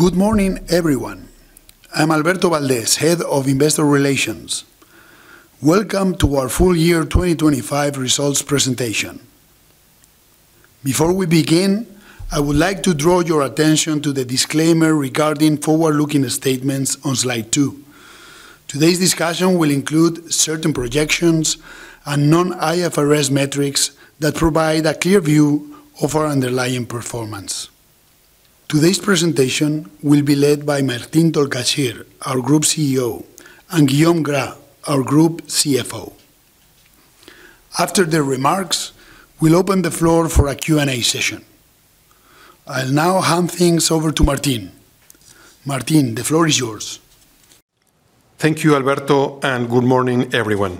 Good morning, everyone. I'm Miren Sotomayor, Head of Investor Relations. Welcome to our full year 2025 results presentation. Before we begin, I would like to draw your attention to the disclaimer regarding forward-looking statements on slide two. Today's discussion will include certain projections and non-IFRS metrics that provide a clear view of our underlying performance. Today's presentation will be led by Martín Tolcachir, our Group CEO, and Guillaume Gras, our Group CFO. After their remarks, we'll open the floor for a Q&A session. I'll now hand things over to Martin. Martin, the floor is yours. Thank you, Alberto. Good morning, everyone.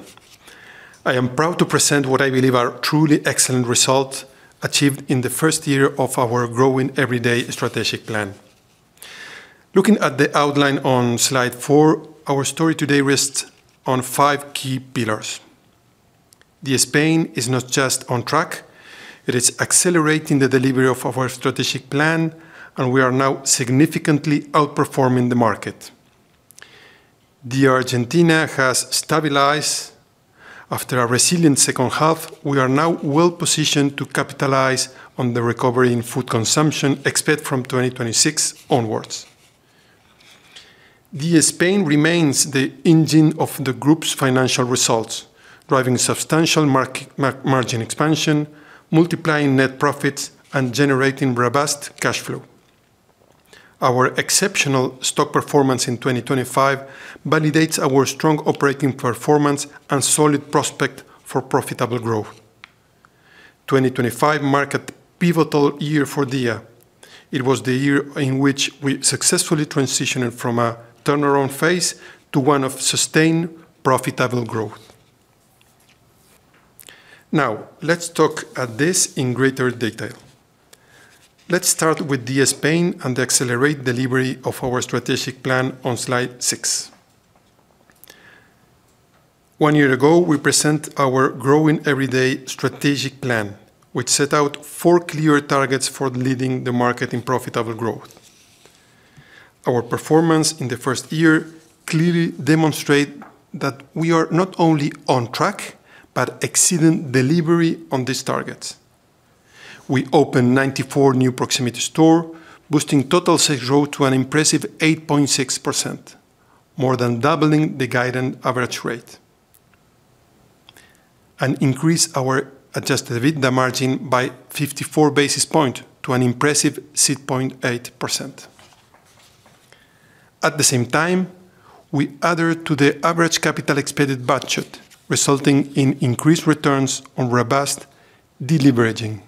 I am proud to present what I believe are truly excellent results achieved in the first year of our Growing Everyday strategic plan. Looking at the outline on slide four, our story today rests on five key pillars. DIA Spain is not just on track, it is accelerating the delivery of our strategic plan, we are now significantly outperforming the market. DIA Argentina has stabilized. After a resilient second half, we are now well-positioned to capitalize on the recovery in food consumption, expect from 2026 onwards. DIA Spain remains the engine of the group's financial results, driving substantial market margin expansion, multiplying net profits, generating robust cash flow. Our exceptional stock performance in 2025 validates our strong operating performance and solid prospect for profitable growth. 2025 marked a pivotal year for DIA. It was the year in which we successfully transitioned from a turnaround phase to one of sustained, profitable growth. Let's talk at this in greater detail. Let's start with DIA Spain and accelerate delivery of our strategic plan on slide six. One year ago, we presented our Growing Everyday strategic plan, which set out four clear targets for leading the market in profitable growth. Our performance in the first year clearly demonstrated that we are not only on track, but exceeding delivery on these targets. We opened 94 new proximity stores, boosting total sales growth to an impressive 8.6%, more than doubling the guided average rate, and increased our adjusted EBITDA margin by 54 basis points to an impressive 6.8%. At the same time, we adhered to the average capital expended budget, resulting in increased returns on robust deleveraging.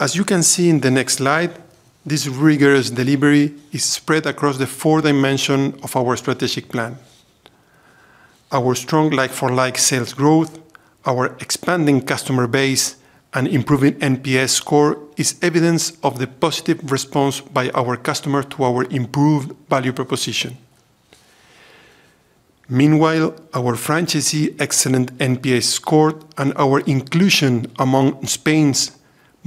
As you can see in the next slide, this rigorous delivery is spread across the four dimension of our strategic plan. Our strong like-for-like sales growth, our expanding customer base, and improving NPS score is evidence of the positive response by our customer to our improved value proposition. Our franchisee excellent NPS score and our inclusion among Spain's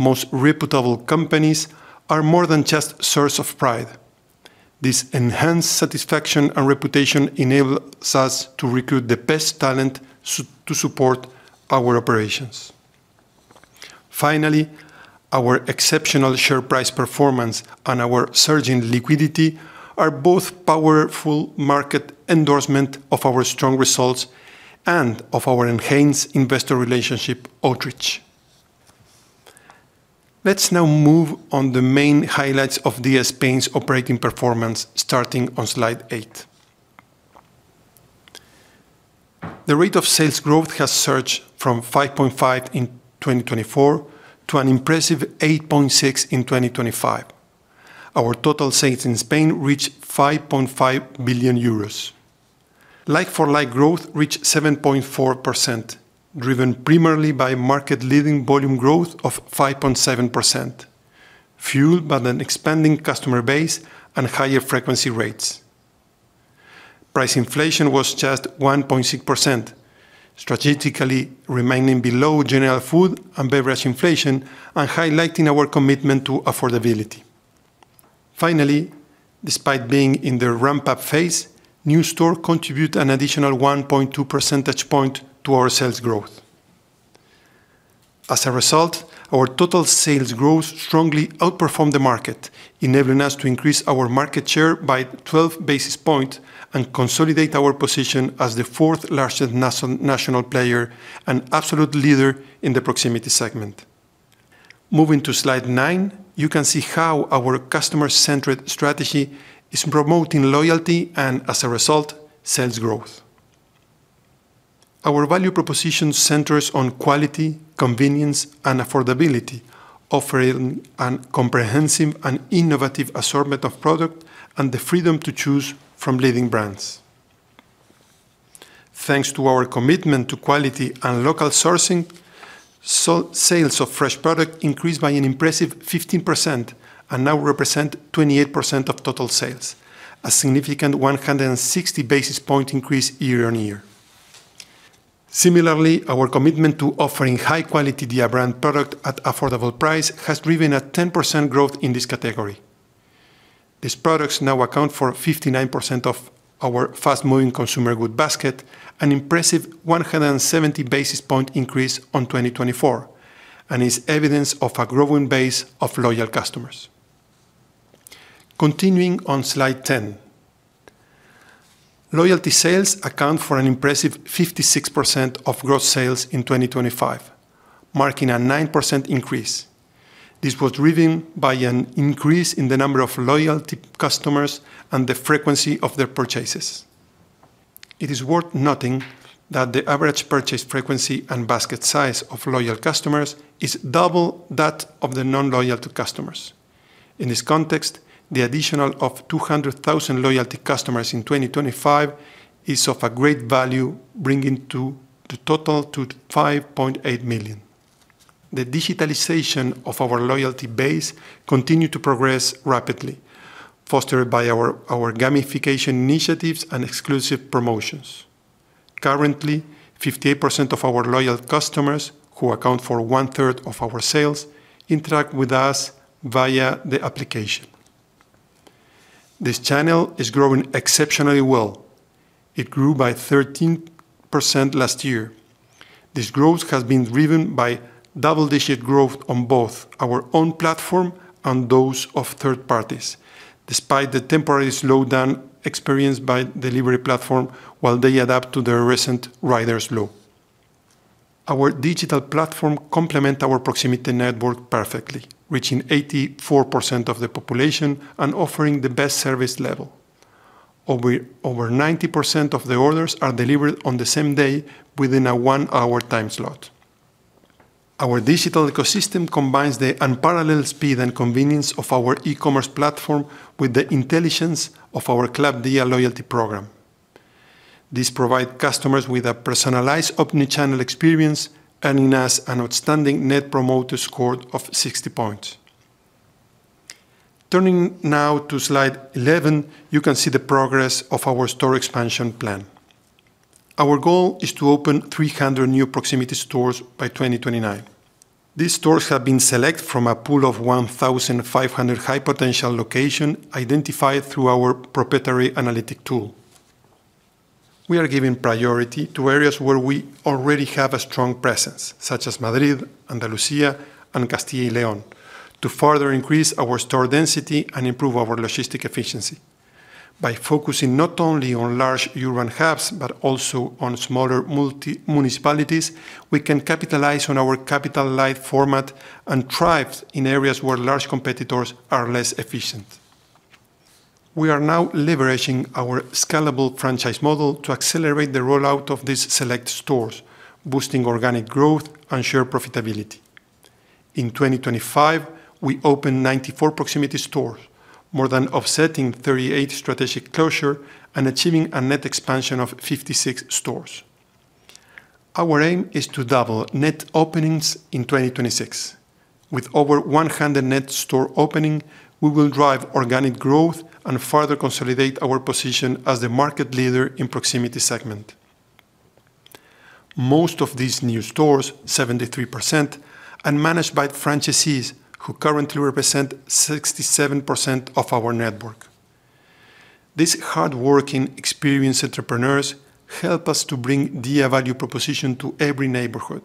most reputable companies are more than just source of pride. This enhanced satisfaction and reputation enables us to recruit the best talent to support our operations. Our exceptional share price performance and our surging liquidity are both powerful market endorsement of our strong results and of our enhanced investor relationship outreach. Let's now move on the main highlights of DIA Spain's operating performance, starting on slide eight. The rate of sales growth has surged from 5.5 in 2024 to an impressive 8.6 in 2025. Our total sales in Spain reached 5.5 billion euros. Like-for-like growth reached 7.4%, driven primarily by market-leading volume growth of 5.7%, fueled by an expanding customer base and higher frequency rates. Price inflation was just 1.6%, strategically remaining below general food and beverage inflation and highlighting our commitment to affordability. Finally, despite being in the ramp-up phase, new store contribute an additional 1.2 percentage point to our sales growth. As a result, our total sales growth strongly outperformed the market, enabling us to increase our market share by 12 basis point and consolidate our position as the fourth largest national player, and absolute leader in the proximity segment. Moving to Slide nine, you can see how our customer-centric strategy is promoting loyalty and, as a result, sales growth. Our value proposition centers on quality, convenience, and affordability, offering a comprehensive and innovative assortment of product and the freedom to choose from leading brands. Thanks to our commitment to quality and local sourcing, sales of fresh product increased by an impressive 15% and now represent 28% of total sales, a significant 160 basis point increase year-over-year. Similarly, our commitment to offering high-quality DIA brand product at affordable price has driven a 10% growth in this category. These products now account for 59% of our Fast-Moving Consumer Goods basket, an impressive 170 basis point increase on 2024, and is evidence of a growing base of loyal customers. Continuing on Slide 10. Loyalty sales account for an impressive 56% of gross sales in 2025, marking a 9% increase. This was driven by an increase in the number of loyalty customers and the frequency of their purchases. It is worth noting that the average purchase frequency and basket size of loyal customers is double that of the non-loyal to customers. In this context, the additional of 200,000 loyalty customers in 2025 is of a great value, bringing the total to 5.8 million. The digitalization of our loyalty base continued to progress rapidly, fostered by our gamification initiatives and exclusive promotions. Currently, 58% of our loyal customers, who account for 1/3 of our sales, interact with us via the application. This channel is growing exceptionally well. It grew by 13% last year. This growth has been driven by double-digit growth on both our own platform and those of third parties, despite the temporary slowdown experienced by delivery platform while they adapt to the recent Riders' Law. Our digital platform complement our proximity network perfectly, reaching 84% of the population and offering the best service level. Over 90% of the orders are delivered on the same day within a one-hour time slot. Our digital ecosystem combines the unparalleled speed and convenience of our e-commerce platform with the intelligence of our Club DIA loyalty program. This provide customers with a personalized omnichannel experience, earning us an outstanding Net Promoter Score of 60 points. Turning now to Slide 11, you can see the progress of our store expansion plan. Our goal is to open 300 new proximity stores by 2029. These stores have been selected from a pool of 1,500 high-potential location, identified through our proprietary analytic tool. We are giving priority to areas where we already have a strong presence, such as Madrid, Andalucía, and Castile and León, to further increase our store density and improve our logistic efficiency. By focusing not only on large urban hubs, but also on smaller multi-municipalities, we can capitalize on our capital light format and thrive in areas where large competitors are less efficient. We are now leveraging our scalable franchise model to accelerate the rollout of these select stores, boosting organic growth and share profitability. In 2025, we opened 94 proximity stores, more than offsetting 38 strategic closure and achieving a net expansion of 56 stores. Our aim is to double net openings in 2026. With over 100 net store opening, we will drive organic growth and further consolidate our position as the market leader in proximity segment. Most of these new stores, 73%, are managed by franchisees who currently represent 67% of our network. These hardworking, experienced entrepreneurs help us to bring DIA value proposition to every neighborhood.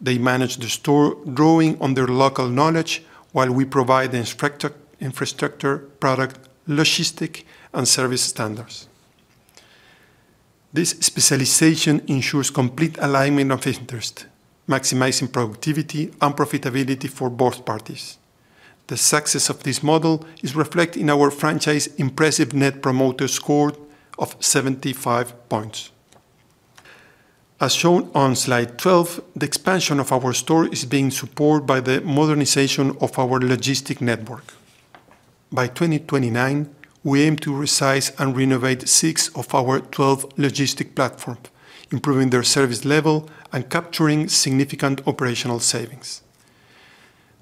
They manage the store, drawing on their local knowledge, while we provide the infrastructure, product, logistic, and service standards. This specialization ensures complete alignment of interest, maximizing productivity and profitability for both parties. The success of this model is reflected in our franchise impressive Net Promoter Score of 75 points. As shown on Slide 12, the expansion of our store is being supported by the modernization of our logistic network. By 2029, we aim to resize and renovate six of our 12 logistic platform, improving their service level and capturing significant operational savings.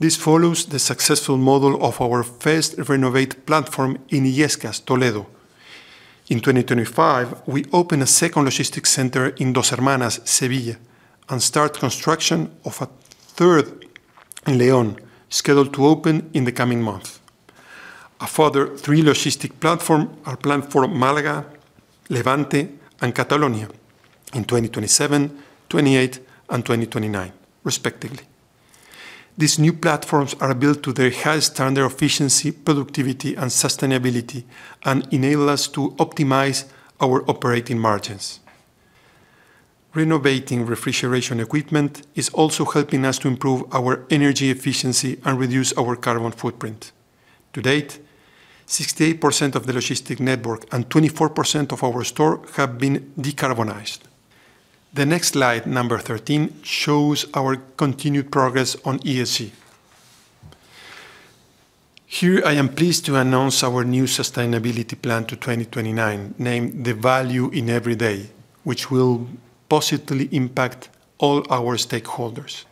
This follows the successful model of our first renovated platform in Illescas, Toledo. In 2025, we opened a second logistic center in Dos Hermanas, Sevilla, and start construction of a third in León, scheduled to open in the coming months. A further three logistic platform are planned for Málaga, Levante, and Catalonia in 2027, 2028, and 2029, respectively. These new platforms are built to the highest standard of efficiency, productivity, and sustainability and enable us to optimize our operating margins. Renovating refrigeration equipment is also helping us to improve our energy efficiency and reduce our carbon footprint. To date, 68% of the logistic network and 24% of our store have been decarbonized. The next slide, number 13, shows our continued progress on ESG. Here, I am pleased to announce our new sustainability plan to 2029, named The Value in Every Day, which will positively impact all our stakeholders.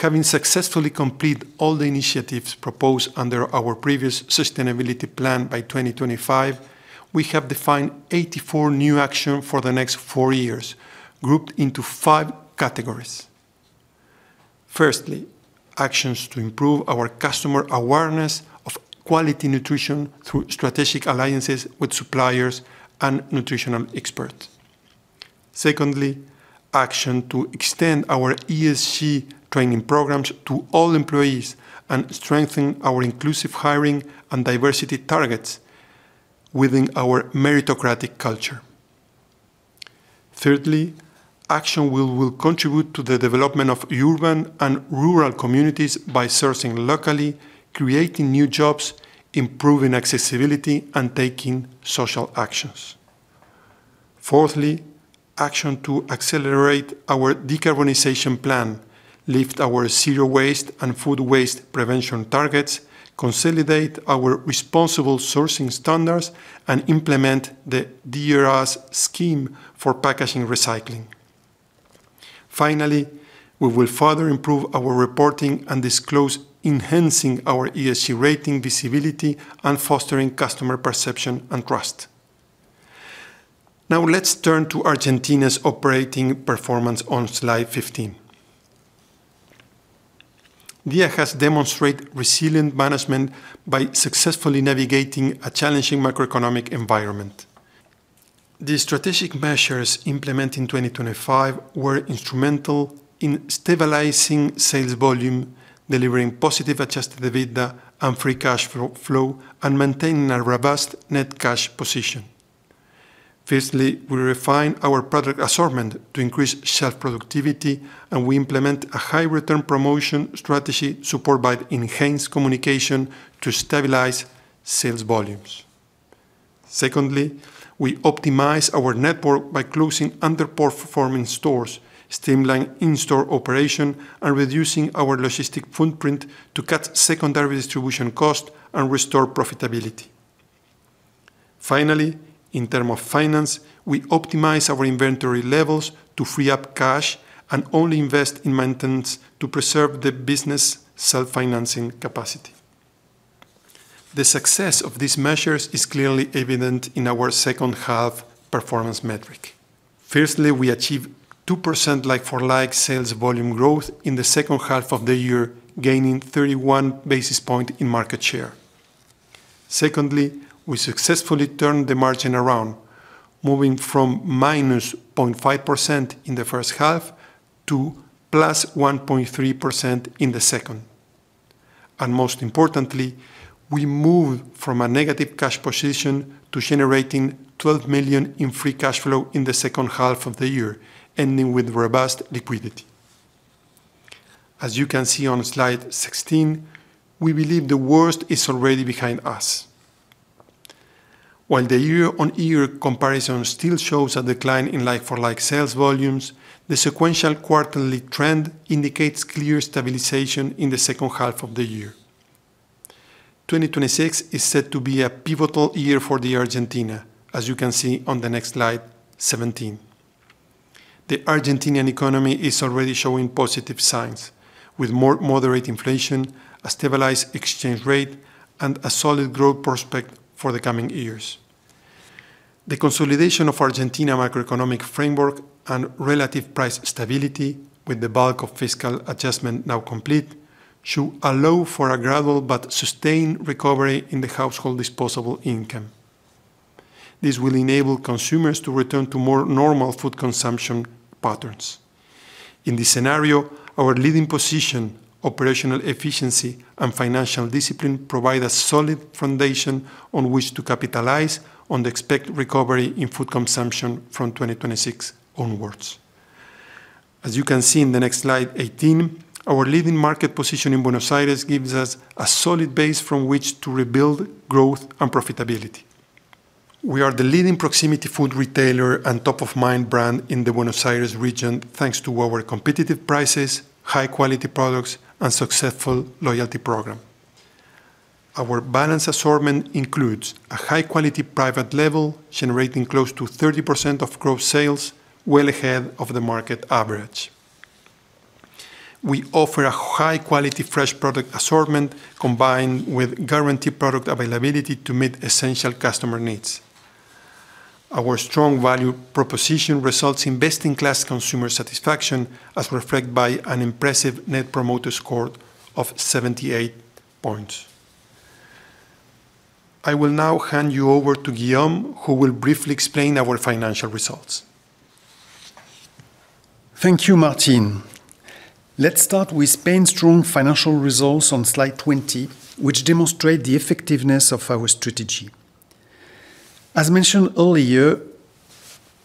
Having successfully complete all the initiatives proposed under our previous sustainability plan by 2025, we have defined 84 new action for the next four years, grouped into five categories. Firstly, actions to improve our customer awareness of quality nutrition through strategic alliances with suppliers and nutritional experts. Secondly, action to extend our ESG training programs to all employees and strengthen our inclusive hiring and diversity targets within our meritocratic culture. Thirdly, action will contribute to the development of urban and rural communities by sourcing locally, creating new jobs, improving accessibility, and taking social actions. Fourthly, action to accelerate our decarbonization plan, lift our zero waste and food waste prevention targets, consolidate our responsible sourcing standards, and implement the DRS scheme for packaging recycling. Finally, we will further improve our reporting and disclose, enhancing our ESG rating visibility and fostering customer perception and trust. Let's turn to Argentina's operating performance on slide 15. DIA has demonstrate resilient management by successfully navigating a challenging macroeconomic environment. The strategic measures implemented in 2025 were instrumental in stabilizing sales volume, delivering positive adjusted EBITDA and free cash flow, and maintaining a robust net cash position. Firstly, we refine our product assortment to increase shelf productivity, and we implement a high return promotion strategy supported by enhanced communication to stabilize sales volumes. Secondly, we optimize our network by closing underperforming stores, streamline in-store operation, and reducing our logistic footprint to cut secondary distribution costs and restore profitability. Finally, in term of finance, we optimize our inventory levels to free up cash and only invest in maintenance to preserve the business' self-financing capacity. The success of these measures is clearly evident in our second half performance metric. Firstly, we achieved 2% like-for-like sales volume growth in the second half of the year, gaining 31 basis point in market share. Secondly, we successfully turned the margin around, moving from -0.5% in the first half to +1.3% in the second. Most importantly, we moved from a negative cash position to generating 12 million in free cash flow in the second half of the year, ending with robust liquidity. As you can see on Slide 16, we believe the worst is already behind us. While the year-on-year comparison still shows a decline in like-for-like sales volumes, the sequential quarterly trend indicates clear stabilization in the second half of the year. 2026 is set to be a pivotal year for the Argentina, as you can see on the next slide, 17. The Argentinian economy is already showing positive signs, with more moderate inflation, a stabilized exchange rate, and a solid growth prospect for the coming years. The consolidation of Argentina macroeconomic framework and relative price stability, with the bulk of fiscal adjustment now complete, should allow for a gradual but sustained recovery in the household disposable income. This will enable consumers to return to more normal food consumption patterns. In this scenario, our leading position, operational efficiency, and financial discipline provide a solid foundation on which to capitalize on the expected recovery in food consumption from 2026 onwards. As you can see in the next slide, 18, our leading market position in Buenos Aires gives us a solid base from which to rebuild growth and profitability. We are the leading proximity food retailer and top-of-mind brand in the Buenos Aires region, thanks to our competitive prices, high-quality products, and successful loyalty program. Our balanced assortment includes a high-quality private label, generating close to 30% of gross sales, well ahead of the market average. We offer a high-quality fresh product assortment, combined with guaranteed product availability to meet essential customer needs. Our strong value proposition results in best-in-class consumer satisfaction, as reflected by an impressive Net Promoter Score of 78 points. I will now hand you over to Guillaume, who will briefly explain our financial results. Thank you, Martín. Let's start with Spain's strong financial results on slide 20, which demonstrate the effectiveness of our strategy. As mentioned earlier,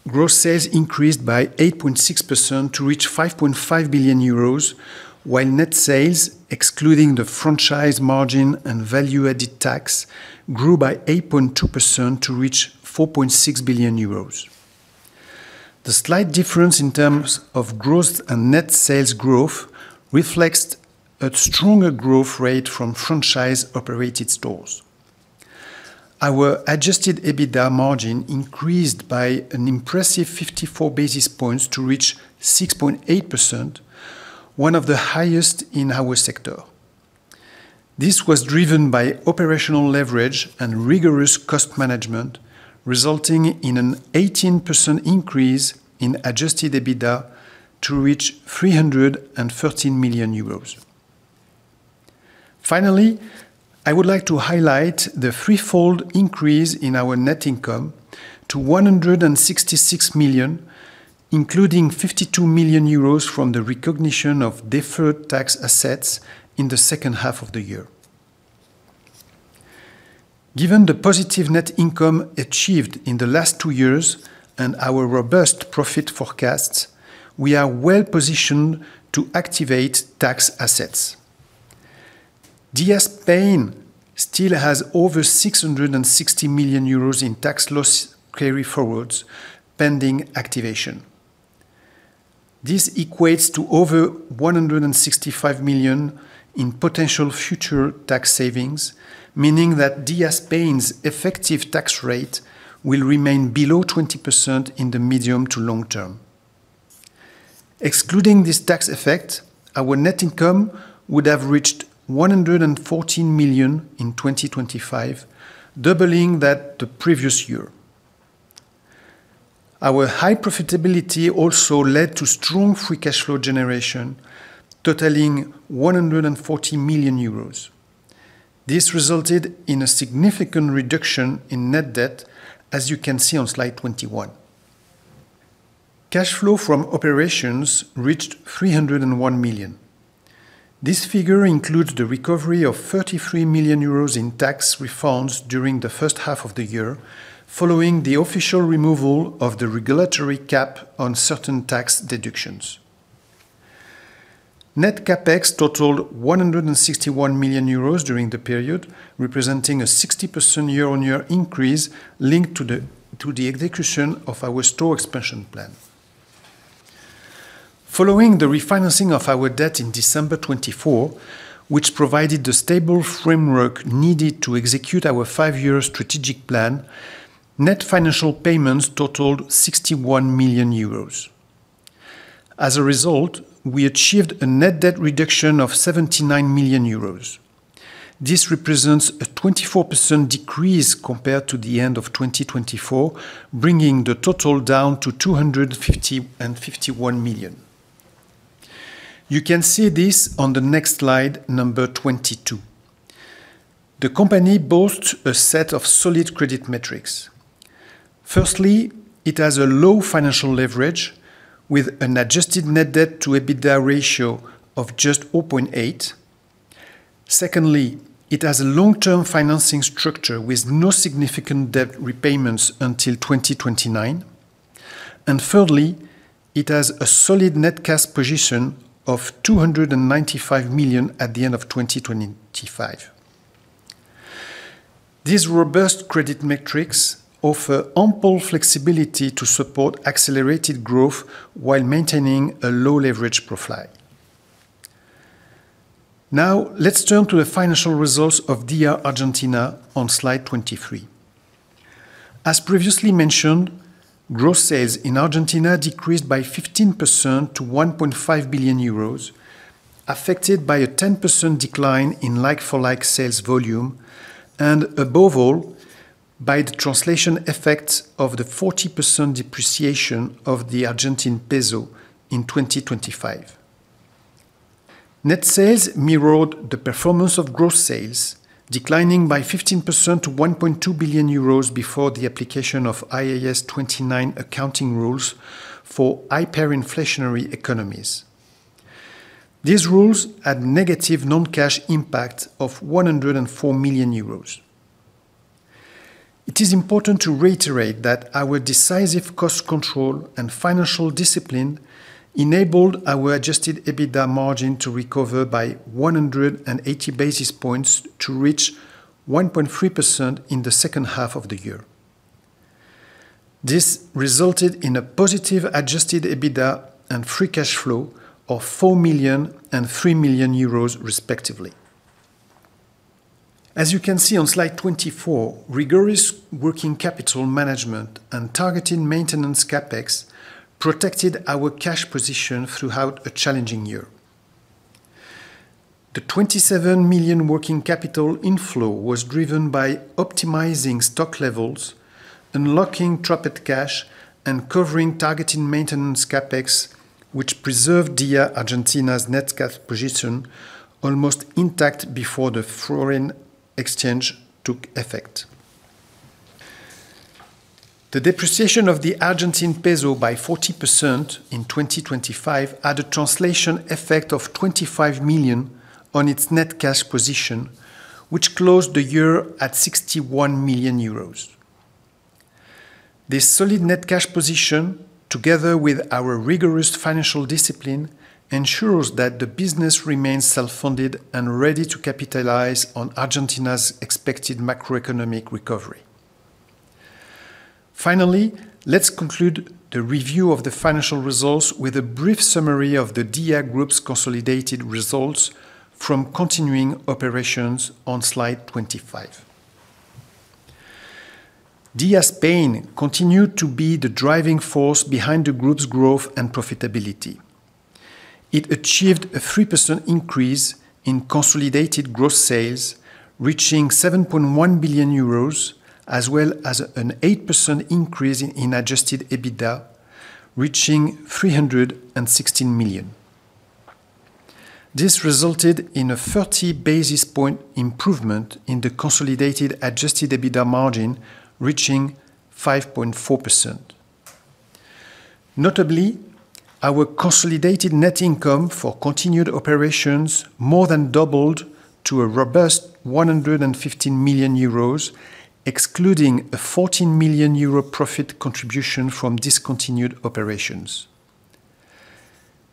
gross sales increased by 8.6% to reach 5.5 billion euros, while net sales, excluding the franchise margin and value-added tax, grew by 8.2% to reach 4.6 billion euros. The slight difference in terms of growth and net sales growth reflects a stronger growth rate from franchise-operated stores. Our adjusted EBITDA margin increased by an impressive 54 basis points to reach 6.8%, one of the highest in our sector. This was driven by operational leverage and rigorous cost management, resulting in an 18% increase in adjusted EBITDA to reach 313 million euros. I would like to highlight the threefold increase in our net income to 166 million, including 52 million euros from the recognition of deferred tax assets in the second half of the year. Given the positive net income achieved in the last two years and our robust profit forecasts, we are well positioned to activate tax assets. DIA Spain still has over 660 million euros in tax loss carryforwards, pending activation. This equates to over 165 million in potential future tax savings, meaning that DIA Spain's effective tax rate will remain below 20% in the medium to long term. Excluding this tax effect, our net income would have reached 114 million in 2025, doubling that the previous year. Our high profitability also led to strong free cash flow generation, totaling 140 million euros. This resulted in a significant reduction in net debt, as you can see on slide 21. Cash flow from operations reached 301 million. This figure includes the recovery of 33 million euros in tax refunds during the first half of the year, following the official removal of the regulatory cap on certain tax deductions. Net CapEx totaled 161 million euros during the period, representing a 60% year-on-year increase linked to the execution of our store expansion plan. Following the refinancing of our debt in December 2024, which provided the stable framework needed to execute our five-year strategic plan, net financial payments totaled 61 million euros. As a result, we achieved a net debt reduction of 79 million euros. This represents a 24% decrease compared to the end of 2024, bringing the total down to 250 and 51 million. You can see this on the next slide, number 22. The company boasts a set of solid credit metrics. Firstly, it has a low financial leverage with an adjusted net debt to EBITDA ratio of just 0.8. Secondly, it has a long-term financing structure with no significant debt repayments until 2029. Thirdly, it has a solid net cash position of 295 million at the end of 2025. These robust credit metrics offer ample flexibility to support accelerated growth while maintaining a low leverage profile. Now, let's turn to the financial results of DIA Argentina on slide 23. As previously mentioned, gross sales in Argentina decreased by 15% to 1.5 billion euros, affected by a 10% decline in like-for-like sales volume and, above all, by the translation effects of the 40% depreciation of the Argentine peso in 2025. Net sales mirrored the performance of gross sales, declining by 15% to 1.2 billion euros before the application of IAS 29 accounting rules for hyperinflationary economies. These rules had negative non-cash impact of 104 million euros. It is important to reiterate that our decisive cost control and financial discipline enabled our adjusted EBITDA margin to recover by 180 basis points to reach 1.3% in the second half of the year. This resulted in a positive adjusted EBITDA and free cash flow of 4 million and 3 million euros, respectively. As you can see on slide 24, rigorous working capital management and targeted maintenance CapEx protected our cash position throughout a challenging year. The 27 million working capital inflow was driven by optimizing stock levels, unlocking trapped cash, and covering targeted maintenance CapEx, which preserved DIA Argentina's net cash position almost intact before the foreign exchange took effect. The depreciation of the Argentine peso by 40% in 2025 had a translation effect of 25 million on its net cash position, which closed the year at 61 million euros. This solid net cash position, together with our rigorous financial discipline, ensures that the business remains self-funded and ready to capitalize on Argentina's expected macroeconomic recovery. Let's conclude the review of the financial results with a brief summary of the DIA group's consolidated results from continuing operations on slide 25. DIA Spain continued to be the driving force behind the group's growth and profitability. It achieved a 3% increase in consolidated growth sales, reaching 7.1 billion euros, as well as an 8% increase in adjusted EBITDA, reaching 316 million. This resulted in a 30 basis point improvement in the consolidated adjusted EBITDA margin, reaching 5.4%. Notably, our consolidated net income for continued operations more than doubled to a robust 115 million euros, excluding a 14 million euro profit contribution from discontinued operations.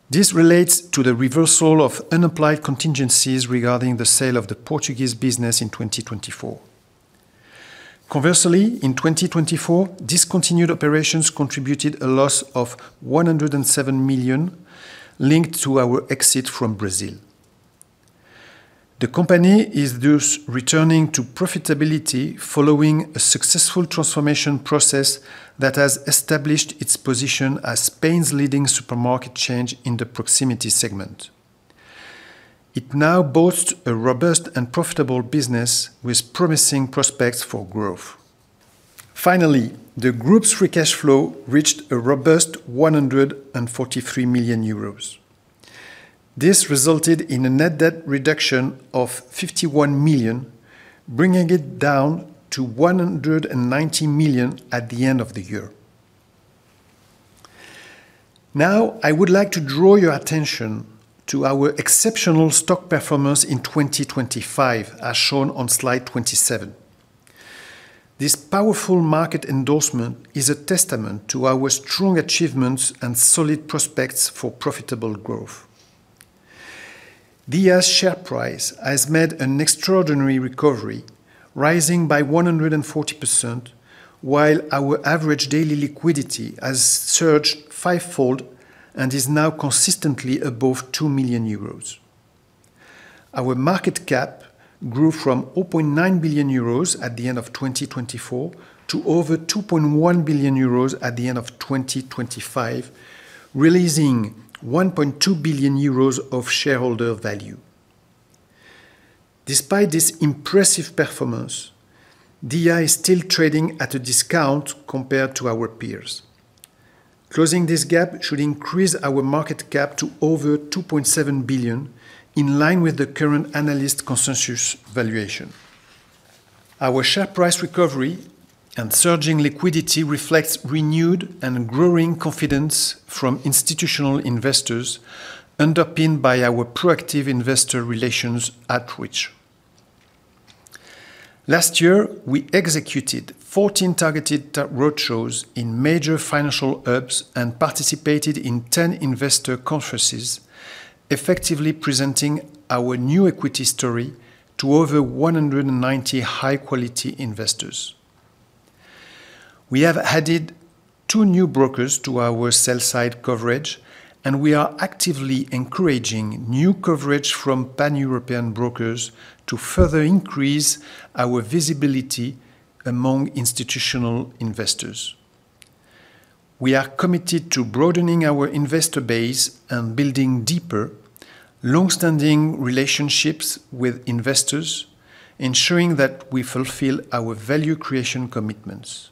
This relates to the reversal of unapplied contingencies regarding the sale of the Portuguese business in 2024. Conversely, in 2024, discontinued operations contributed a loss of 107 million, linked to our exit from Brazil. The company is thus returning to profitability following a successful transformation process that has established its position as Spain's leading supermarket chain in the proximity segment. It now boasts a robust and profitable business with promising prospects for growth. The group's free cash flow reached a robust 143 million euros. This resulted in a net debt reduction of 51 million, bringing it down to 190 million at the end of the year. I would like to draw your attention to our exceptional stock performance in 2025, as shown on slide 27. This powerful market endorsement is a testament to our strong achievements and solid prospects for profitable growth. DIA's share price has made an extraordinary recovery, rising by 140%, while our average daily liquidity has surged fivefold and is now consistently above 2 million euros. Our market cap grew from 0.9 billion euros at the end of 2024 to over 2.1 billion euros at the end of 2025, releasing 1.2 billion euros of shareholder value. Despite this impressive performance, DIA is still trading at a discount compared to our peers. Closing this gap should increase our market cap to over 2.7 billion, in line with the current analyst consensus valuation. Our share price recovery and surging liquidity reflects renewed and growing confidence from institutional investors, underpinned by our proactive investor relations outreach. Last year, we executed 14 targeted roadshows in major financial hubs and participated in 10 investor conferences, effectively presenting our new equity story to over 190 high-quality investors. We have added two new brokers to our sell side coverage. We are actively encouraging new coverage from Pan-European brokers to further increase our visibility among institutional investors. We are committed to broadening our investor base and building deeper, long-standing relationships with investors, ensuring that we fulfill our value creation commitments.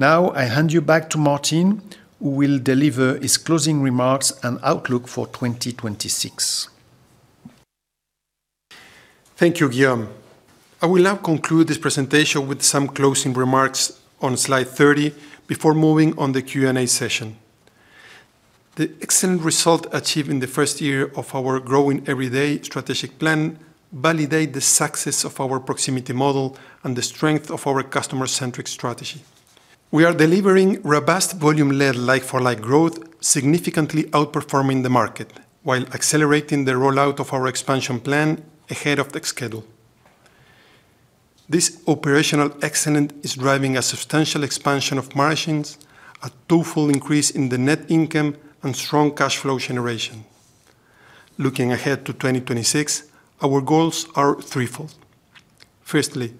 Now, I hand you back to Martín, who will deliver his closing remarks and outlook for 2026. Thank you, Guillaume. I will now conclude this presentation with some closing remarks on slide 30 before moving on the Q&A session. The excellent result achieved in the first year of our Growing Everyday strategic plan, validate the success of our proximity model and the strength of our customer-centric strategy. We are delivering robust volume-led, like-for-like growth, significantly outperforming the market, while accelerating the rollout of our expansion plan ahead of the schedule. This operational excellent is driving a substantial expansion of margins, a twofold increase in the net income, and strong cash flow generation. Looking ahead to 2026, our goals are threefold. Firstly,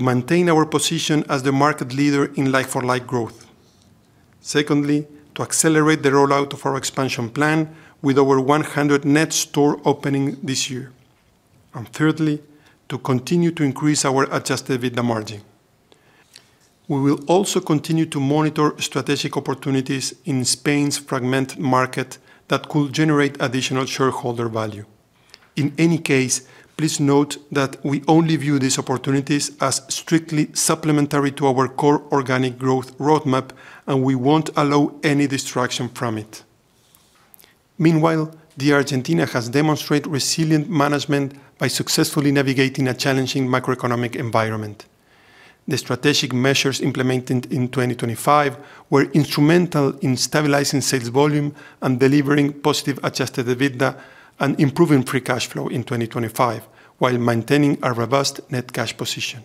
to maintain our position as the market leader in like-for-like growth. Secondly, to accelerate the rollout of our expansion plan with over 100 net store opening this year. Thirdly, to continue to increase our adjusted EBITDA margin. We will also continue to monitor strategic opportunities in Spain's fragmented market that could generate additional shareholder value. In any case, please note that we only view these opportunities as strictly supplementary to our core organic growth roadmap, and we won't allow any distraction from it. Meanwhile, DIA Argentina has demonstrated resilient management by successfully navigating a challenging macroeconomic environment. The strategic measures implemented in 2025 were instrumental in stabilizing sales volume and delivering positive adjusted EBITDA and improving free cash flow in 2025, while maintaining a robust net cash position.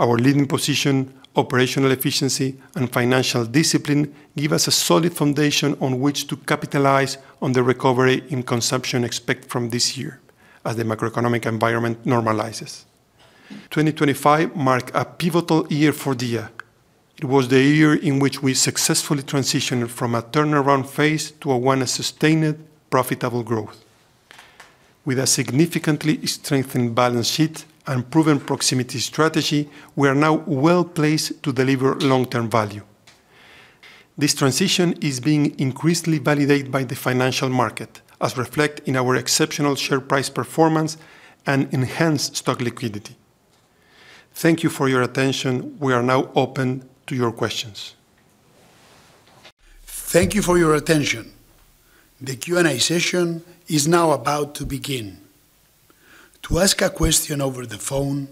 Our leading position, operational efficiency, and financial discipline give us a solid foundation on which to capitalize on the recovery in consumption expect from this year, as the macroeconomic environment normalizes. 2025 marked a pivotal year for DIA. It was the year in which we successfully transitioned from a turnaround phase to a one of sustained, profitable growth. With a significantly strengthened balance sheet and proven proximity strategy, we are now well-placed to deliver long-term value. This transition is being increasingly validated by the financial market, as reflect in our exceptional share price performance and enhanced stock liquidity. Thank you for your attention. We are now open to your questions. Thank you for your attention. The Q&A session is now about to begin. To ask a question over the phone,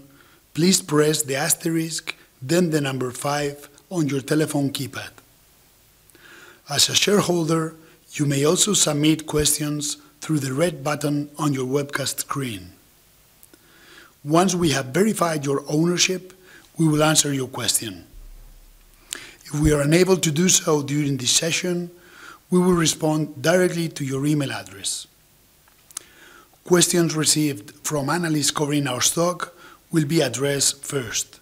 please press the asterisk, then the number 5 on your telephone keypad. As a shareholder, you may also submit questions through the red button on your webcast screen. Once we have verified your ownership, we will answer your question. If we are unable to do so during this session, we will respond directly to your email address. Questions received from analysts covering our stock will be addressed first.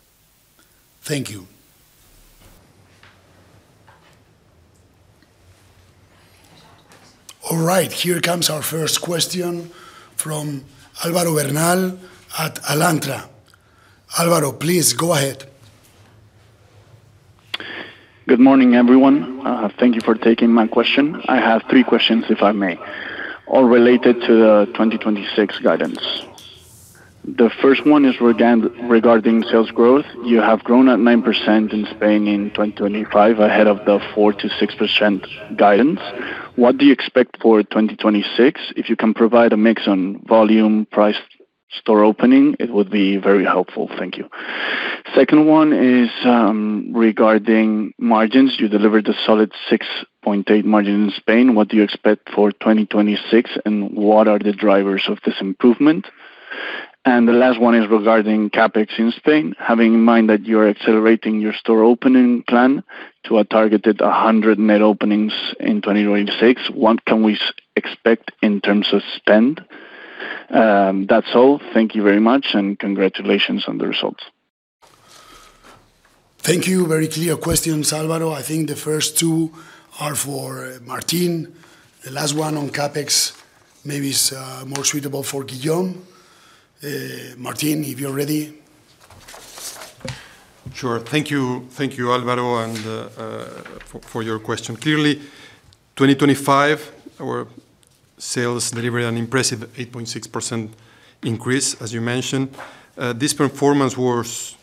Thank you. All right, here comes our first question from Alvaro Bernal at Alantra. Alvaro, please go ahead. Good morning, everyone. Thank you for taking my question. I have three questions, if I may, all related to the 2026 guidance. The first one is regarding sales growth. You have grown at 9% in Spain in 2025, ahead of the 4%-6% guidance. What do you expect for 2026? If you can provide a mix on volume, price, store opening, it would be very helpful. Thank you. Second one is regarding margins. You delivered a solid 6.8% margin in Spain. What do you expect for 2026, and what are the drivers of this improvement? The last one is regarding CapEx in Spain. Having in mind that you're accelerating your store opening plan to a targeted 100 net openings in 2026, what can we expect in terms of spend? That's all. Thank you very much, congratulations on the results. Thank you. Very clear questions, Alvaro. I think the first two are for Martín. The last one on CapEx maybe is more suitable for Guillaume. Martín, if you're ready? Sure. Thank you. Thank you, Alvaro, for your question. Clearly, 2025, our sales delivered an impressive 8.6% increase, as you mentioned. This performance was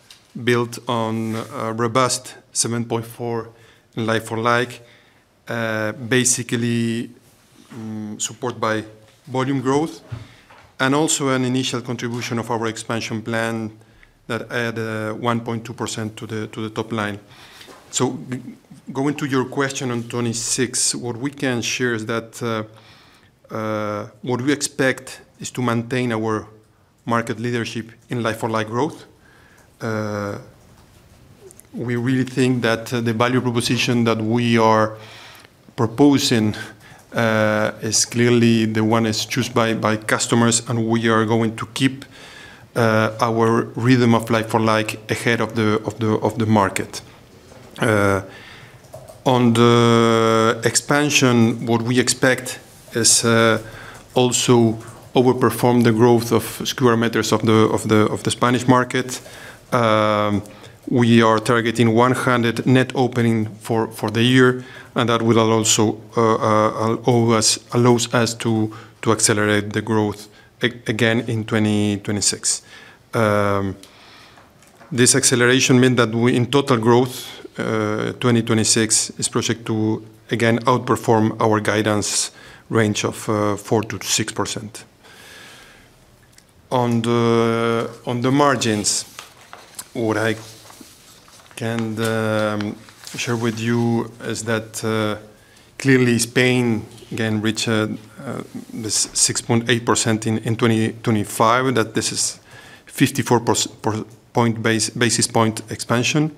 built on a robust 7.4% like-for-like, basically, supported by volume growth, and also an initial contribution of our expansion plan that add 1.2% to the top line. Going to your question on 2026, what we can share is that what we expect is to maintain our market leadership in like-for-like growth. We really think that the value proposition that we are proposing is clearly the one that's chosen by customers, and we are going to keep our rhythm of like-for-like ahead of the market. On the expansion, what we expect is also overperform the growth of square meters of the Spanish market. We are targeting 100 net opening for the year, that will also allows us to accelerate the growth again in 2026. This acceleration mean that we In total growth, 2026, is projected to again outperform our guidance range of 4%-6%. On the margins, what I can share with you is that clearly, Spain can reach the 6.8% in 2025, that this is 54 basis point expansion.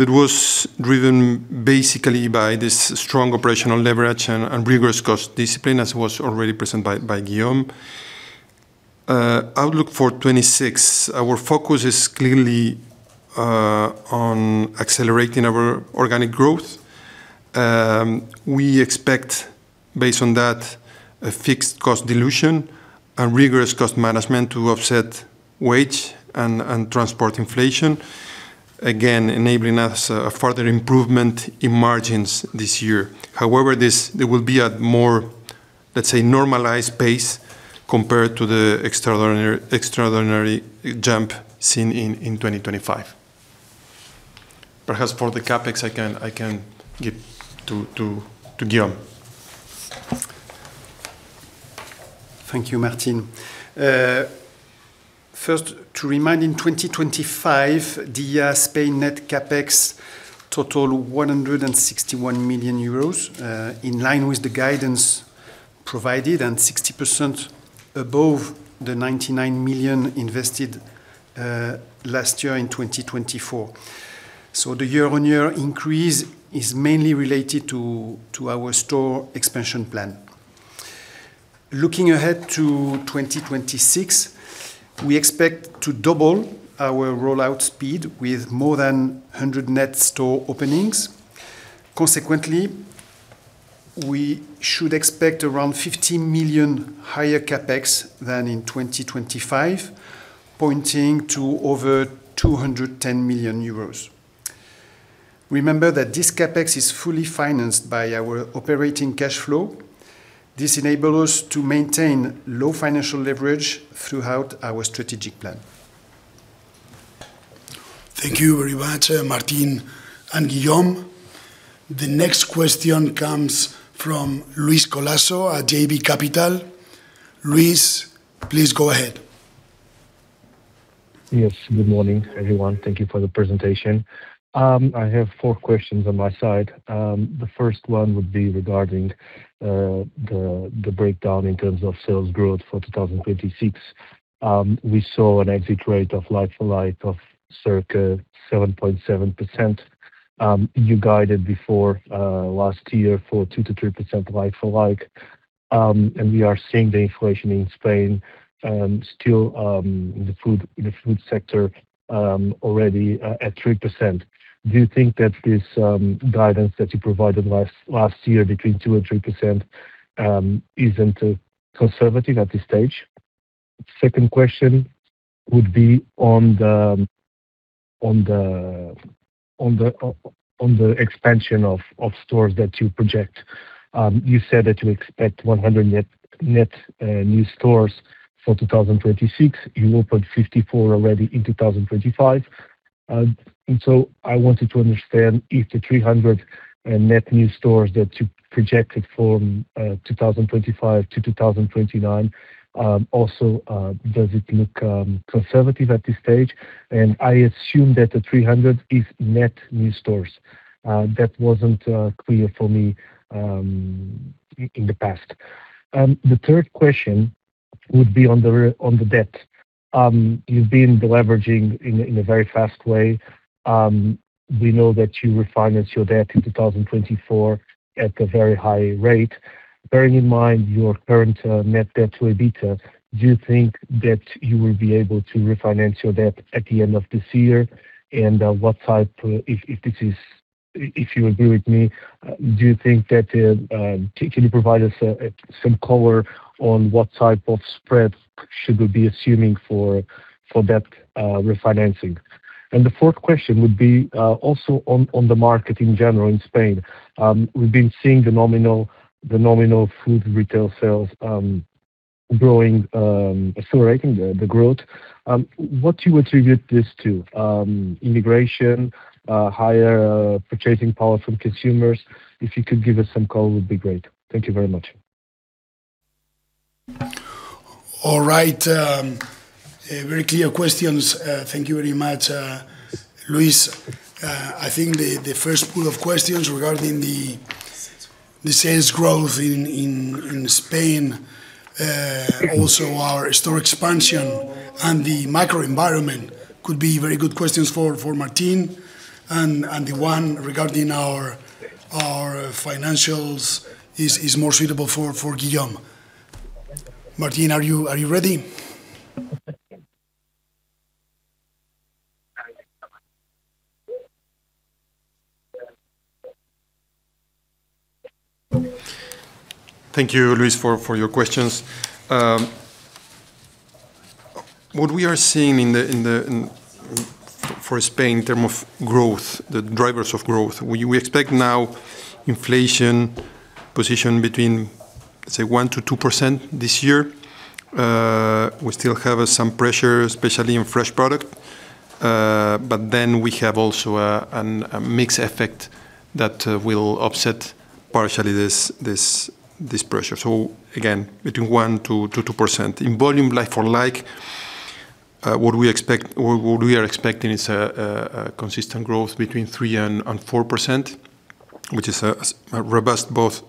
That was driven basically by this strong operational leverage and rigorous cost discipline, as was already presented by Guillaume. Outlook for 2026, our focus is clearly on accelerating our organic growth. We expect, based on that, a fixed cost dilution and rigorous cost management to offset wage and transport inflation, again, enabling us a further improvement in margins this year. There will be a more, let's say, normalized pace compared to the extraordinary jump seen in 2025. Perhaps for the CapEx, I can give to Guillaume. Thank you, Martín. First, to remind, in 2025, DIA Spain net CapEx total 161 million euros, in line with the guidance-provided and 60% above the 99 million invested, last year in 2024. The year-on-year increase is mainly related to our store expansion plan. Looking ahead to 2026, we expect to double our rollout speed with more than 100 net store openings. Consequently, we should expect around 50 million higher CapEx than in 2025, pointing to over 210 million euros. Remember that this CapEx is fully financed by our operating cash flow. This enable us to maintain low financial leverage throughout our strategic plan. Thank you very much, Martín and Guillaume. The next question comes from Luís Colaço at JB Capital. Luís, please go ahead. Yes. Good morning, everyone. Thank you for the presentation. I have 4 questions on my side. The first one would be regarding the breakdown in terms of sales growth for 2026. We saw an exit rate of like-for-like of circa 7.7%. You guided before last year for 2%-3% like-for-like, and we are seeing the inflation in Spain still, the food sector already at 3%. Do you think that this guidance that you provided last year between 2% and 3% isn't conservative at this stage? Second question would be on the expansion of stores that you project. You said that you expect 100 net new stores for 2026. You opened 54 already in 2025. I wanted to understand if the 300 net new stores that you projected for 2025-2029 also does it look conservative at this stage? I assume that the 300 is net new stores. That wasn't clear for me in the past. The third question would be on the debt. You've been deleveraging in a very fast way. We know that you refinanced your debt in 2024 at a very high rate. Bearing in mind your current net debt to EBITDA, do you think that you will be able to refinance your debt at the end of this year? What type if this is... If you agree with me, do you think that can you provide us some color on what type of spread should we be assuming for debt refinancing? The fourth question would be also on the market in general in Spain. We've been seeing the nominal food retail sales growing accelerating the growth. What do you attribute this to? Immigration, higher purchasing power from consumers? If you could give us some color, it would be great. Thank you very much. All right, very clear questions. Thank you very much, Luis. I think the first pool of questions regarding the-. Sales... the sales growth in Spain, also our store expansion and the microenvironment could be very good questions for Martín. The one regarding our financials is more suitable for Guillaume. Martín, are you ready? Thank you, Luis, for your questions. What we are seeing in Spain, in terms of growth, the drivers of growth, we expect now inflation position between, say, 1%-2% this year. We still have some pressure, especially in fresh product. We have also a mix effect that will offset partially this pressure. Again, between 1%-2%. In volume like-for-like, what we expect or what we are expecting is a consistent growth between 3% and 4%, which is a robust growth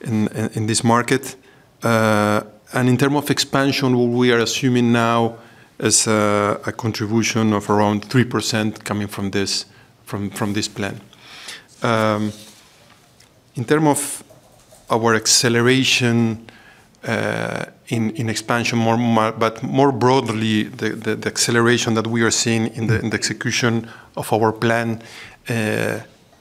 in this market. In terms of expansion, what we are assuming now is a contribution of around 3% coming from this plan. In terms of our acceleration, in expansion but more broadly, the acceleration that we are seeing in the execution of our plan,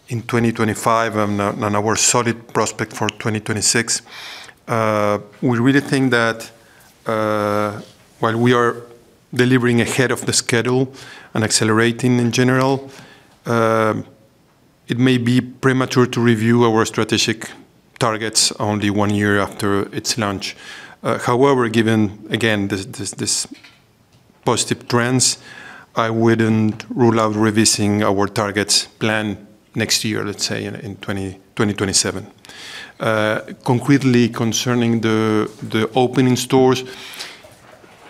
in 2025 and our solid prospect for 2026, we really think that, while we are delivering ahead of the schedule and accelerating in general, it may be premature to review our strategic targets only 1 year after its launch. However, given, again, this positive trends, I wouldn't rule out revising our targets plan next year, let's say in 2027. Concretely concerning the opening stores...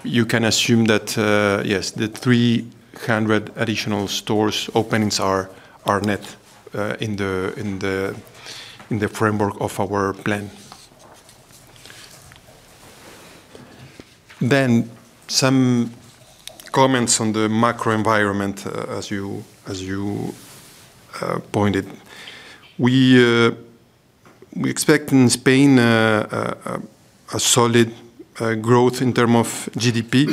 You can assume that, yes, the 300 additional stores openings are net, in the framework of our plan. Some comments on the macro environment, as you pointed. We expect in Spain, a solid growth in term of GDP.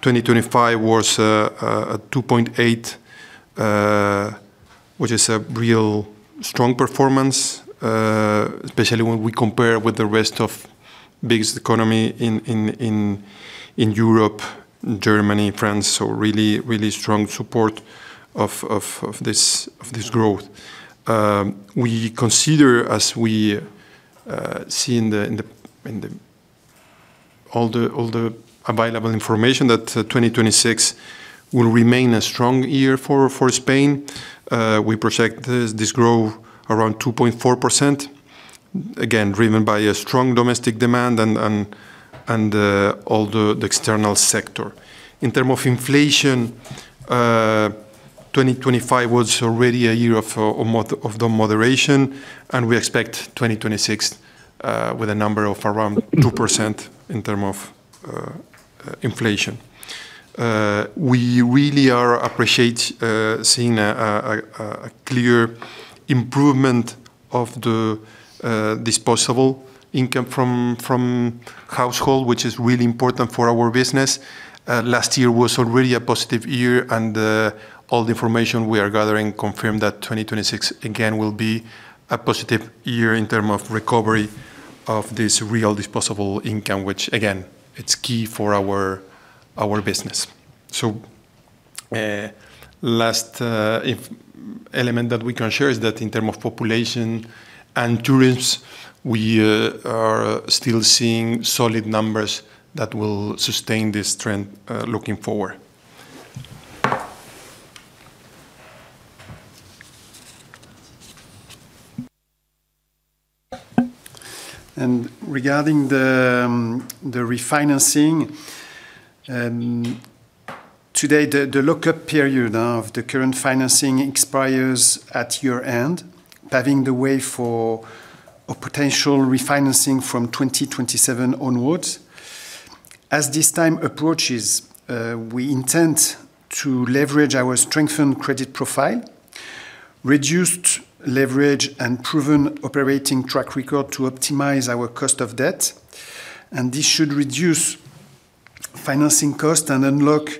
2025 was a 2.8, which is a real strong performance, especially when we compare with the rest of biggest economy in Europe, Germany, France. Really, really strong support of this growth. We consider, as we see in all the available information, that 2026 will remain a strong year for Spain. We project this growth around 2.4%, again, driven by a strong domestic demand and all the external sector. In term of inflation, 2025 was already a year of the moderation. We expect 2026 with a number of around 2% in term of inflation. We really are appreciate seeing a clear improvement of the disposable income from household, which is really important for our business. Last year was already a positive year, and all the information we are gathering confirm that 2026, again, will be a positive year in term of recovery of this real disposable income, which, again, it's key for our business. Last if element that we can share is that in term of population and tourists, we are still seeing solid numbers that will sustain this trend looking forward. Regarding the refinancing, today, the lock-up period of the current financing expires at your end, paving the way for a potential refinancing from 2027 onwards. As this time approaches, we intend to leverage our strengthened credit profile, reduced leverage and proven operating track record to optimize our cost of debt, this should reduce financing cost and unlock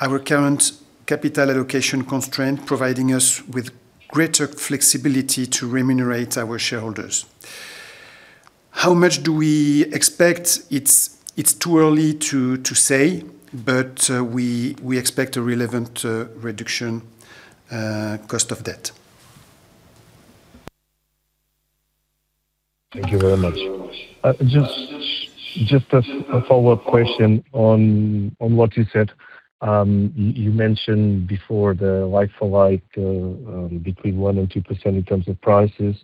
our current capital allocation constraint, providing us with greater flexibility to remunerate our shareholders. How much do we expect? It's too early to say, we expect a relevant reduction cost of debt. Thank you very much. Just a follow-up question on what you said. You mentioned before the like-for-like, between 1%-2% in terms of prices,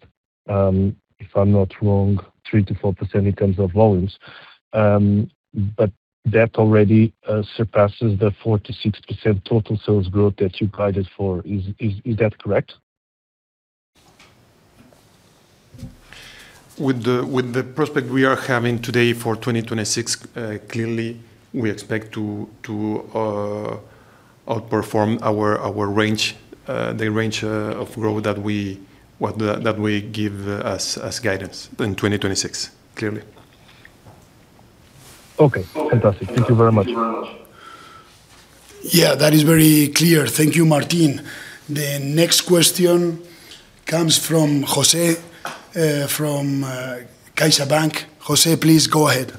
if I'm not wrong, 3%-4% in terms of loans. That already surpasses the 4%-6% total sales growth that you guided for. Is that correct? With the prospect we are having today for 2026, clearly we expect to outperform our range, the range of growth that we give as guidance in 2026, clearly. Okay. Fantastic. Thank you very much. That is very clear. Thank you, Martín. The next question comes from José, from CaixaBank. José, please go ahead.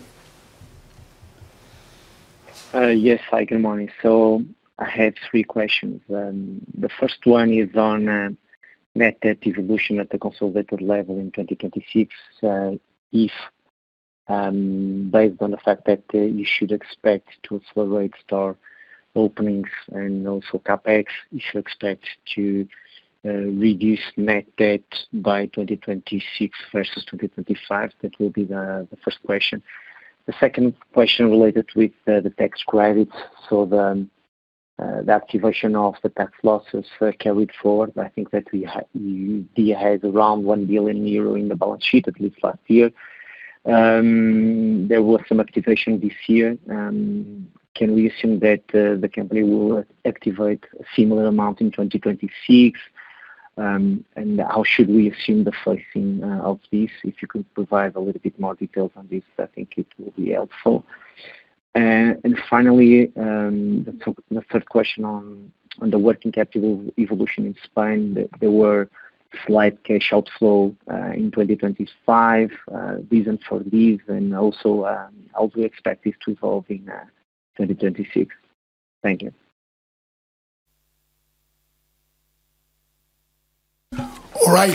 Yes, hi, good morning. I had three questions. The first one is on net debt evolution at the consolidated level in 2026. If, based on the fact that you should expect to accelerate store openings and also CapEx, you should expect to reduce net debt by 2026 versus 2025. That will be the first question. The second question related with the tax credits. The activation of the tax losses carried forward. I think that we had around 1 billion euro in the balance sheet, at least last year. There was some activation this year. Can we assume that the company will activate a similar amount in 2026? And how should we assume the pricing of this? If you could provide a little bit more details on this, I think it will be helpful. Finally, the third question on the working capital evolution in Spain. There were slight cash outflow in 2025. Reasons for this, and also, how do we expect this to evolve in 2026? Thank you. All right.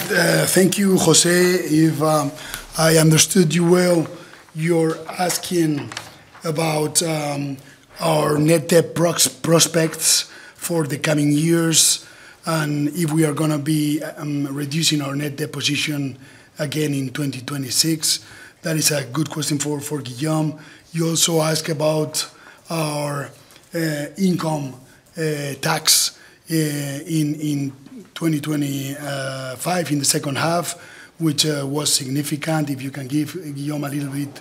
Thank you, José. If I understood you well, you're asking about our net debt prospects for the coming years, and if we are gonna be reducing our net debt position again in 2026. That is a good question for Guillaume. You also ask about our income tax in 2025, in the second half, which was significant. If you can give Guillaume a little bit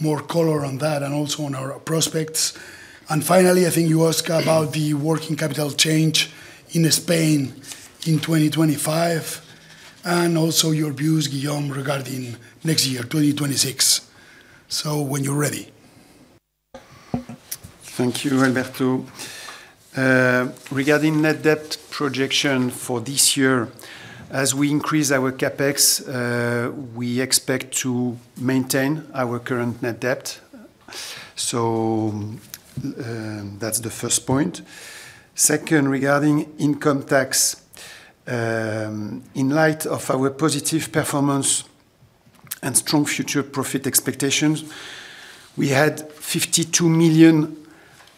more color on that and also on our prospects. Finally, I think you asked about the working capital change in Spain in 2025, and also your views, Guillaume, regarding next year, 2026. When you're ready. Thank you, Alberto. Regarding net debt projection for this year, as we increase our CapEx, we expect to maintain our current net debt. Second, regarding income tax, in light of our positive performance and strong future profit expectations, we had 52 million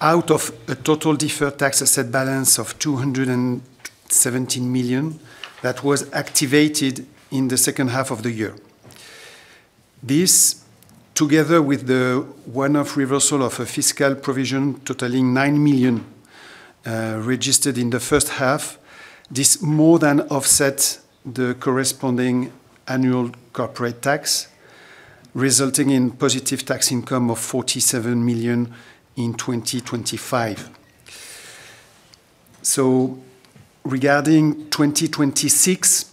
out of a total deferred tax asset balance of 217 million that was activated in the second half of the year. This, together with the one-off reversal of a fiscal provision totaling 9 million, registered in the first half, this more than offsets the corresponding annual corporate tax, resulting in positive tax income of 47 million in 2025. Regarding 2026,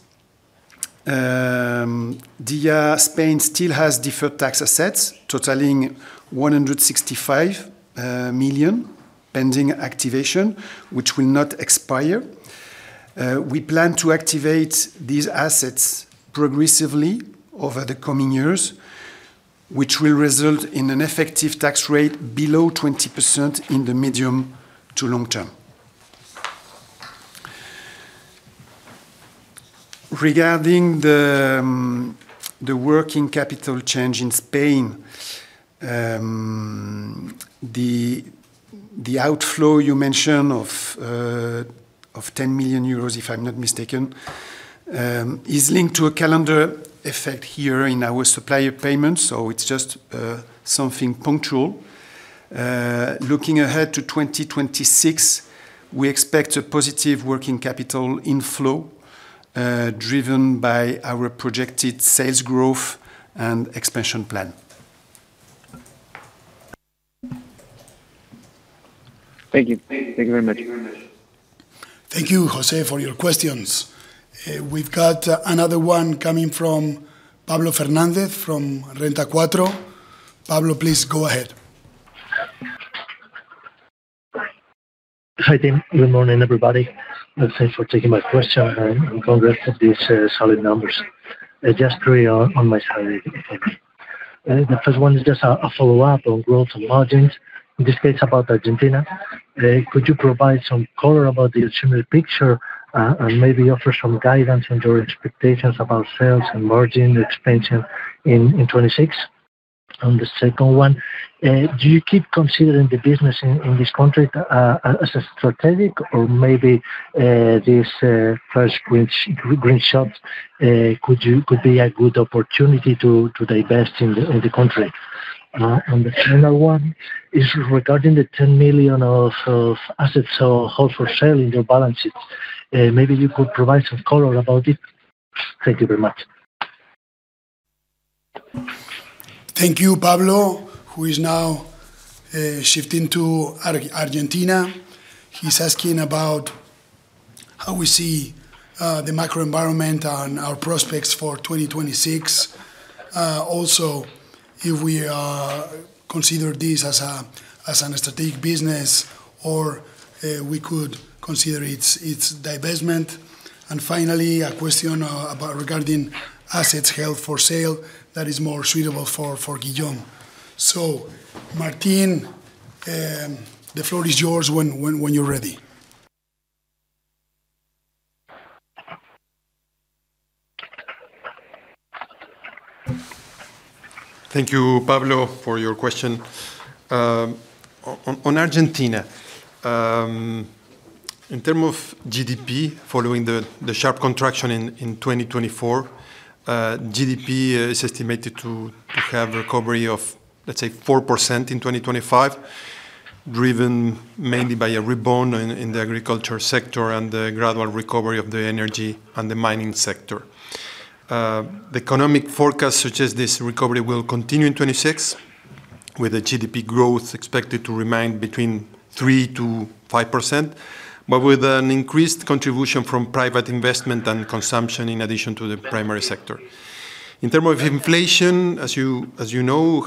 DIA Spain still has deferred tax assets totaling 165 million, pending activation, which will not expire. We plan to activate these assets progressively over the coming years, which will result in an effective tax rate below 20% in the medium to long term. Regarding the working capital change in Spain, the outflow you mentioned of 10 million euros, if I'm not mistaken, is linked to a calendar effect here in our supplier payments, it's just something punctual. Looking ahead to 2026, we expect a positive working capital inflow, driven by our projected sales growth and expansion plan. Thank you. Thank you very much. Thank you, Jose, for your questions. We've got another one coming from Pablo Fernández from Renta 4. Pablo, please go ahead. Hi, team. Good morning, everybody, and thanks for taking my question, and congrats on these solid numbers. Just three on my side. The first one is just a follow-up on growth and margins, in this case, about Argentina. Could you provide some color about the similar picture, and maybe offer some guidance on your expectations about sales and margin expansion in 2026? The second one, do you keep considering the business in this country as a strategic or maybe this first green shops could be a good opportunity to divest in the country? The final one is regarding the 10 million of assets on hold for sale in your balance sheet. Maybe you could provide some color about it. Thank you very much. Thank you, Pablo, who is now shifting to Argentina. He's asking about how we see the macro environment and our prospects for 2026. Also, if we consider this as a, as a strategic business or we could consider its divestment. Finally, a question about regarding assets held for sale that is more suitable for Guillaume. Martín, the floor is yours when you're ready. Thank you, Pablo, for your question. On Argentina, in terms of GDP, following the sharp contraction in 2024, GDP is estimated to have recovery of, let's say, 4% in 2025, driven mainly by a rebound in the agriculture sector and the gradual recovery of the energy and the mining sector. The economic forecast suggests this recovery will continue in 2026, with the GDP growth expected to remain between 3%-5%, with an increased contribution from private investment and consumption in addition to the primary sector. In terms of inflation, as you know,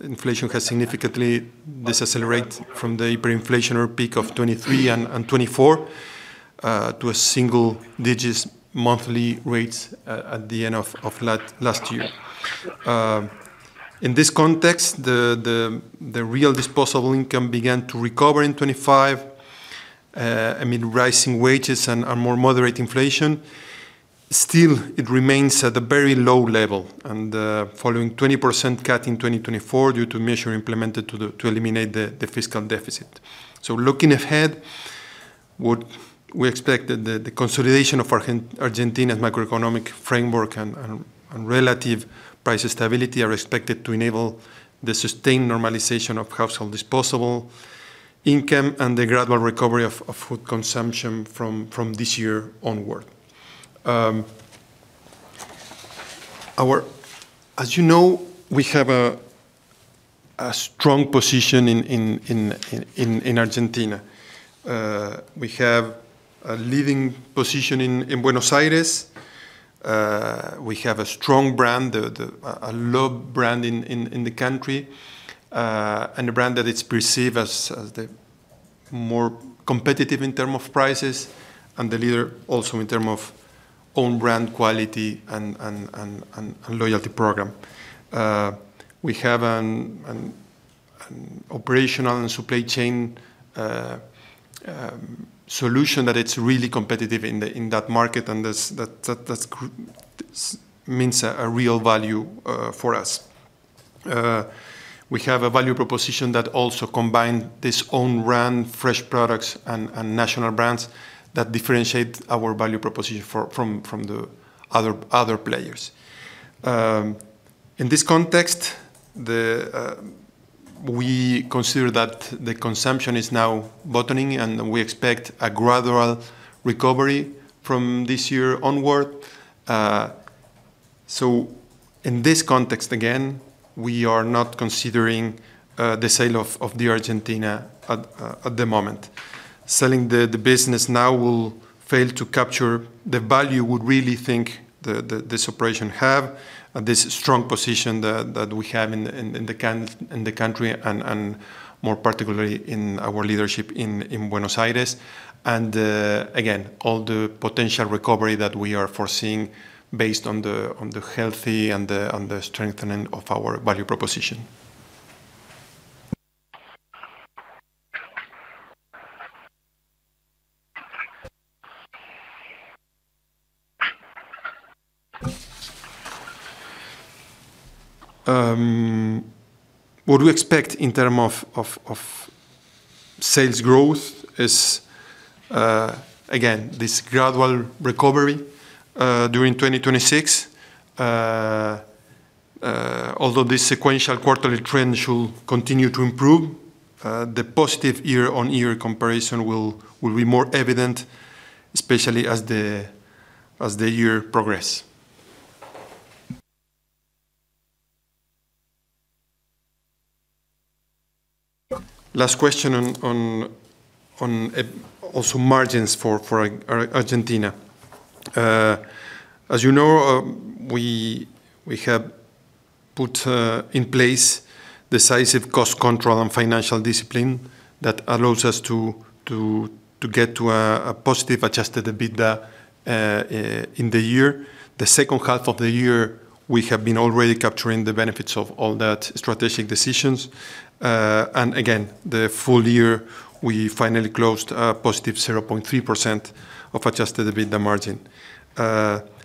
inflation has significantly decelerated from the hyperinflation peak of 2023 and 2024 to a single-digit monthly rates at the end of last year. In this context, the real disposable income began to recover in 25 amid rising wages and more moderate inflation. Still, it remains at a very low level, following 20% cut in 2024 due to measure implemented to eliminate the fiscal deficit. We expect that the consolidation of Argentina's macroeconomic framework and relative price stability are expected to enable the sustained normalization of household disposable income and the gradual recovery of food consumption from this year onward. As you know, we have a strong position in Argentina. We have a leading position in Buenos Aires. We have a strong brand, the, a loved brand in the country, and a brand that is perceived as the more competitive in term of prices and the leader also in term of own brand quality and loyalty program. We have an operational and supply chain solution that it's really competitive in the, in that market, and that means a real value for us. We have a value proposition that also combine this own brand, fresh products and national brands that differentiate our value proposition from the other players. In this context, we consider that the consumption is now bottoming, and we expect a gradual recovery from this year onward. In this context, again, we are not considering the sale of the Argentina at the moment. Selling the business now will fail to capture the value we really think this operation have, this strong position that we have in the country, and more particularly, in our leadership in Buenos Aires. Again, all the potential recovery that we are foreseeing based on the healthy and the strengthening of our value proposition. What we expect in term of sales growth is again, this gradual recovery during 2026. Although this sequential quarterly trend should continue to improve, the positive year-on-year comparison will be more evident, especially as the year progress. Last question on also margins for Argentina. As you know, we have put in place decisive cost control and financial discipline that allows us to get to a positive adjusted EBITDA in the year. The second half of the year, we have been already capturing the benefits of all that strategic decisions. Again, the full year, we finally closed positive 0.3% of adjusted EBITDA margin.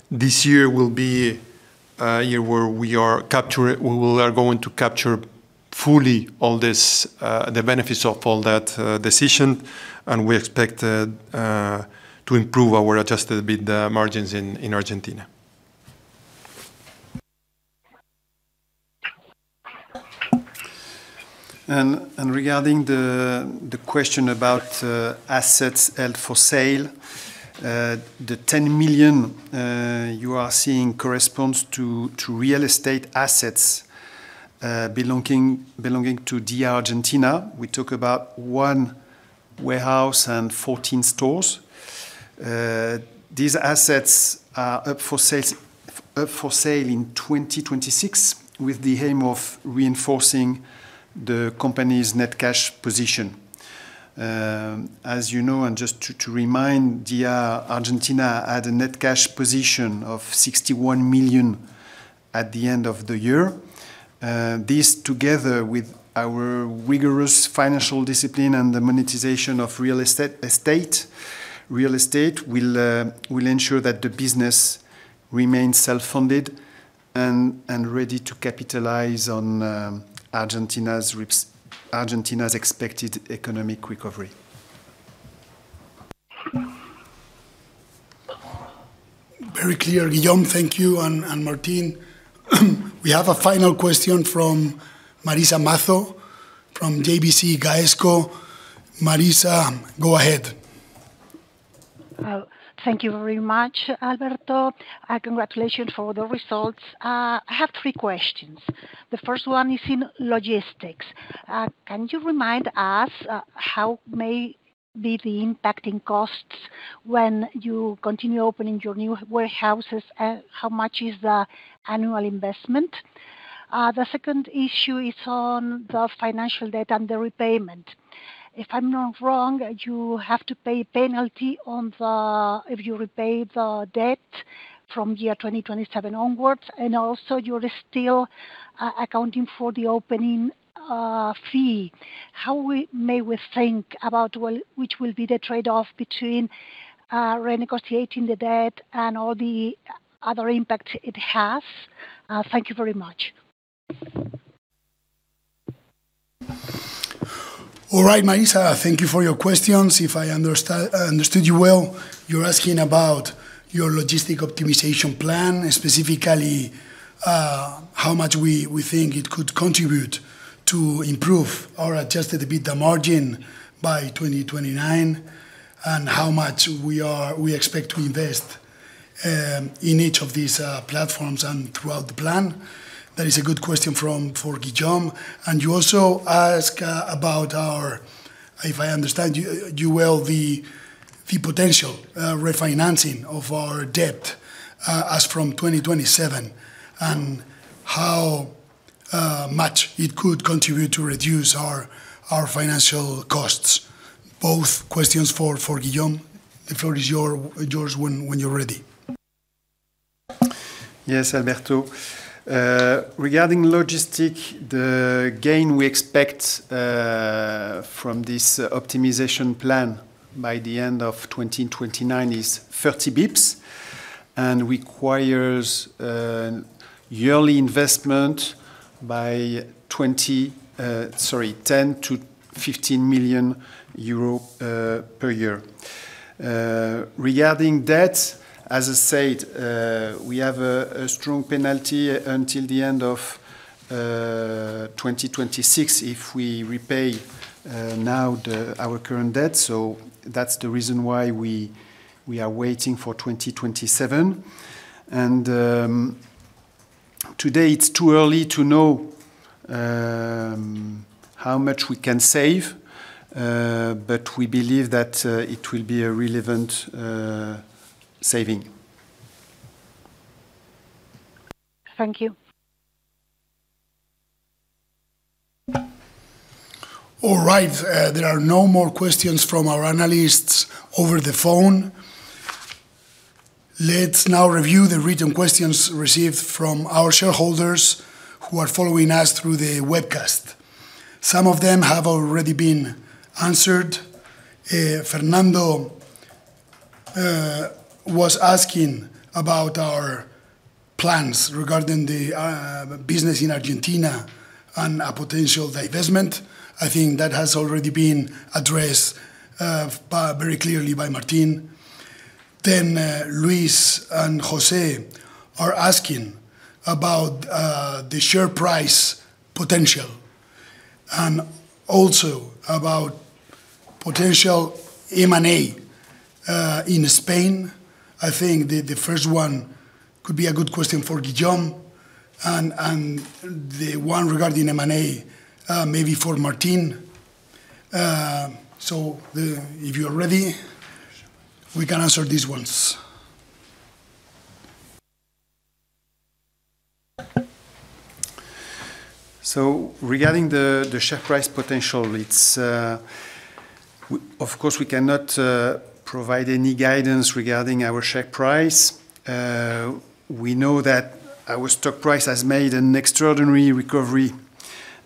This year will be a year where we will are going to capture fully all this the benefits of all that decision, and we expect to improve our adjusted EBITDA margins in Argentina. Regarding the question about assets held for sale, the 10 million you are seeing corresponds to real estate assets belonging to DIA Argentina. We talk about one warehouse and 14 stores. These assets are up for sale in 2026, with the aim of reinforcing the company's net cash position. As you know, and just to remind you, Argentina had a net cash position of 61 million at the end of the year. This, together with our rigorous financial discipline and the monetization of real estate, will ensure that the business remains self-funded and ready to capitalize on Argentina's expected economic recovery. Very clear, Guillaume. Thank you, and Martín. We have a final question from Marisa Mazo, from GVC Gaesco. Marisa, go ahead. Thank you very much, Alberto, and congratulations for the results. I have three questions. The first one is in logistics. Can you remind us how may be the impact in costs when you continue opening your new warehouses, and how much is the annual investment? The second issue is on the financial debt and the repayment. If I'm not wrong, you have to pay penalty on the... if you repay the debt from year 2027 onwards, and also you're still accounting for the opening fee. How we, may we think about what, which will be the trade-off between renegotiating the debt and all the other impact it has? Thank you very much. All right, Marisa, thank you for your questions. If I understood you well, you're asking about your logistics optimization plan, specifically, how much we think it could contribute to improve our adjusted EBITDA margin by 2029, and how much we expect to invest in each of these platforms and throughout the plan. That is a good question for Guillaume. You also ask about our, if I understand you well, the potential refinancing of our debt as from 2027, and how much it could contribute to reduce our financial costs. Both questions for Guillaume. The floor is yours when you're ready. Yes, Alberto. Regarding logistic, the gain we expect from this optimization plan by the end of 2029 is 30 basis points and requires yearly investment by 10 million-15 million euro per year. Regarding debt, as I said, we have a strong penalty until the end of 2026 if we repay now our current debt. That's the reason why we are waiting for 2027. Today, it's too early to know how much we can save, but we believe that it will be a relevant saving. Thank you. All right. There are no more questions from our analysts over the phone. Let's now review the written questions received from our shareholders who are following us through the webcast. Some of them have already been answered. Fernando was asking about our plans regarding the business in Argentina and a potential divestment. I think that has already been addressed very clearly by Martín. Luis and José are asking about the share price potential and also about potential M&A in Spain. I think the first one could be a good question for Guillaume and the one regarding M&A maybe for Martín. If you are ready, we can answer these ones. Regarding the share price potential, it's of course, we cannot provide any guidance regarding our share price. We know that our stock price has made an extraordinary recovery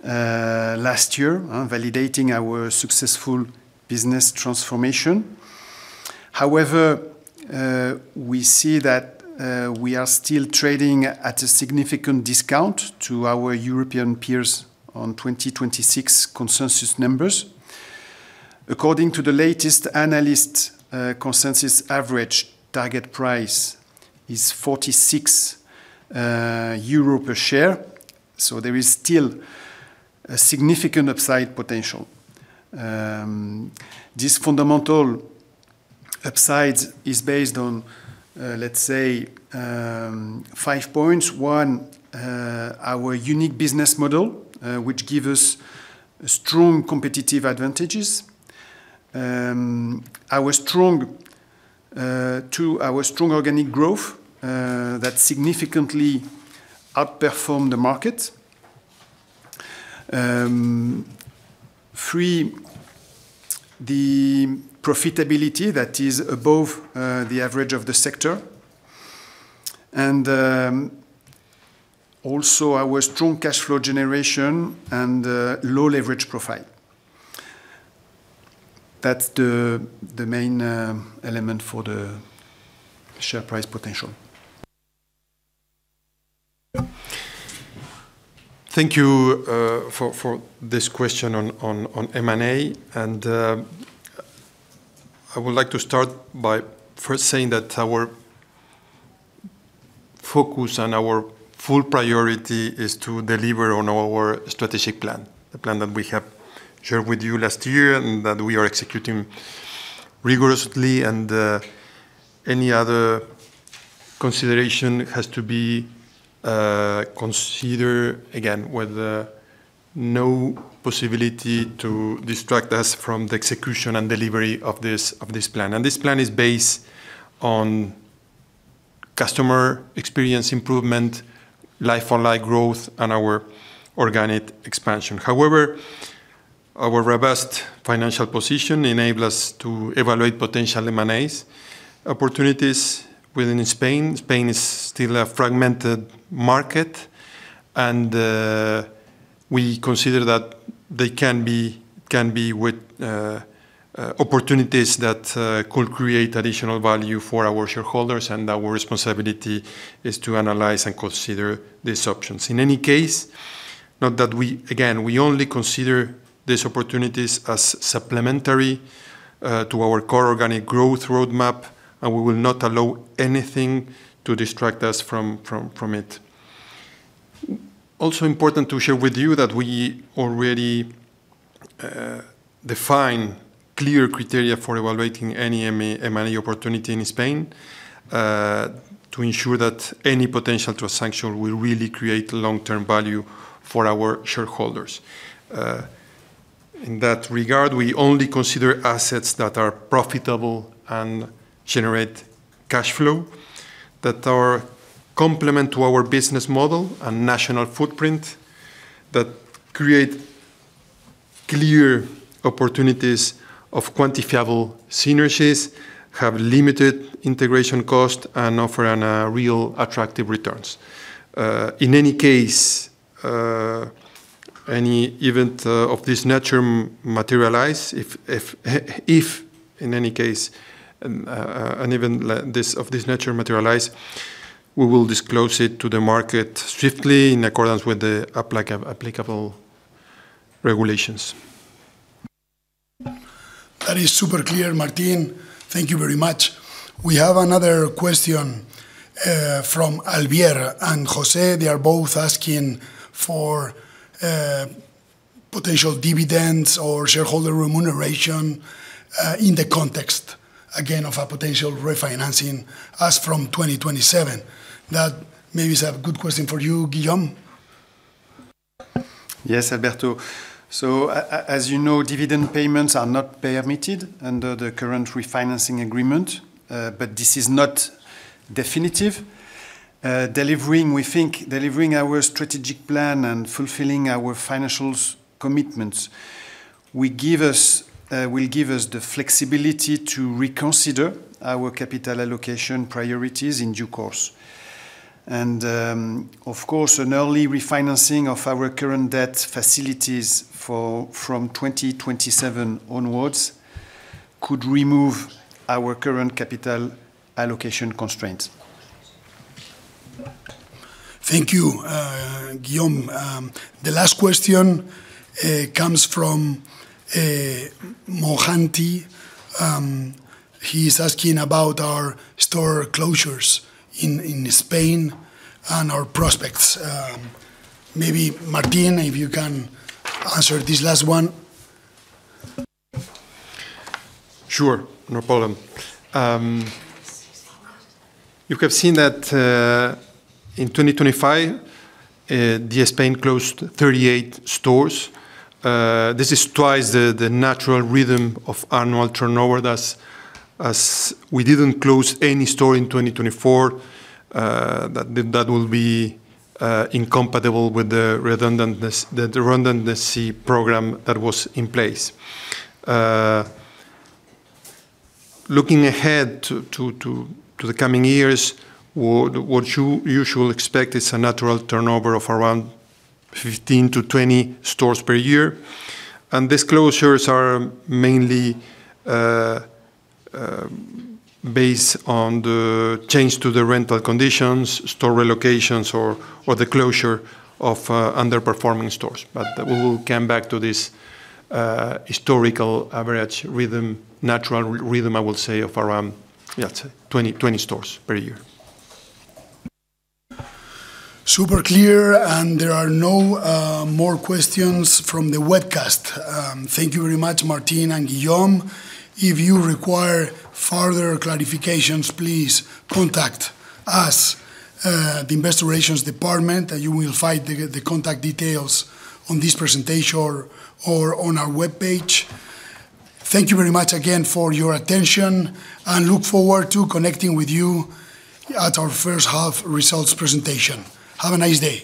last year, validating our successful business transformation. However, we see that we are still trading at a significant discount to our European peers on 2026 consensus numbers. According to the latest analyst consensus, average target price is 46 euro per share, so there is still a significant upside potential. This fundamental upside is based on, let's say, five points. One, our unique business model, which give us strong competitive advantages. Our strong, Two, our strong organic growth that significantly outperform the market. Three, the profitability that is above the average of the sector, and also our strong cash flow generation and low leverage profile. That's the main element for the share price potential. Thank you for this question on M&A. I would like to start by first saying that our focus and our full priority is to deliver on our strategic plan, the plan that we have shared with you last year and that we are executing rigorously. Any other consideration has to be considered again, with no possibility to distract us from the execution and delivery of this plan. This plan is based on customer experience improvement, like-for-like growth, and our organic expansion. However, our robust financial position enable us to evaluate potential M&As. Opportunities within Spain is still a fragmented market, we consider that they can be with.... opportunities that could create additional value for our shareholders, and our responsibility is to analyze and consider these options. In any case, note that we, again, we only consider these opportunities as supplementary to our core organic growth roadmap, and we will not allow anything to distract us from it. Also important to share with you that we already define clear criteria for evaluating any M&A opportunity in Spain to ensure that any potential transaction will really create long-term value for our shareholders. In that regard, we only consider assets that are profitable and generate cash flow, that are complement to our business model and national footprint, that create clear opportunities of quantifiable synergies, have limited integration cost, and offer real attractive returns. If, in any case, an event this, of this nature materialize, we will disclose it to the market swiftly in accordance with the applicable regulations. That is super clear, Martín. Thank you very much. We have another question from Alvaro and José. They are both asking for potential dividends or shareholder remuneration in the context, again, of a potential refinancing as from 2027. That maybe is a good question for you, Guillaume? Yes, Miren Sotomayor. As you know, dividend payments are not permitted under the current refinancing agreement, but this is not definitive. Delivering our strategic plan and fulfilling our financials commitments will give us the flexibility to reconsider our capital allocation priorities in due course. Of course, an early refinancing of our current debt facilities for, from 2027 onwards could remove our current capital allocation constraints. Thank you, Guillaume. The last question comes from Mohanty. He's asking about our store closures in Spain and our prospects. Maybe Martín, if you can answer this last one. Sure, no problem. You have seen that in 2025, DIA Spain closed 38 stores. This is twice the natural rhythm of annual turnover, thus as we didn't close any store in 2024, that will be incompatible with the redundancy program that was in place. Looking ahead to the coming years, what you usually expect is a natural turnover of around 15-20 stores per year. These closures are mainly based on the change to the rental conditions, store relocations or the closure of underperforming stores. We will come back to this historical average rhythm, natural rhythm, I will say, of around 20 stores per year. Super clear, and there are no more questions from the webcast. Thank you very much, Martín and Guillaume. If you require further clarifications, please contact us, the Investor Relations department, and you will find the contact details on this presentation or on our webpage. Thank you very much again for your attention, and look forward to connecting with you at our first half results presentation. Have a nice day!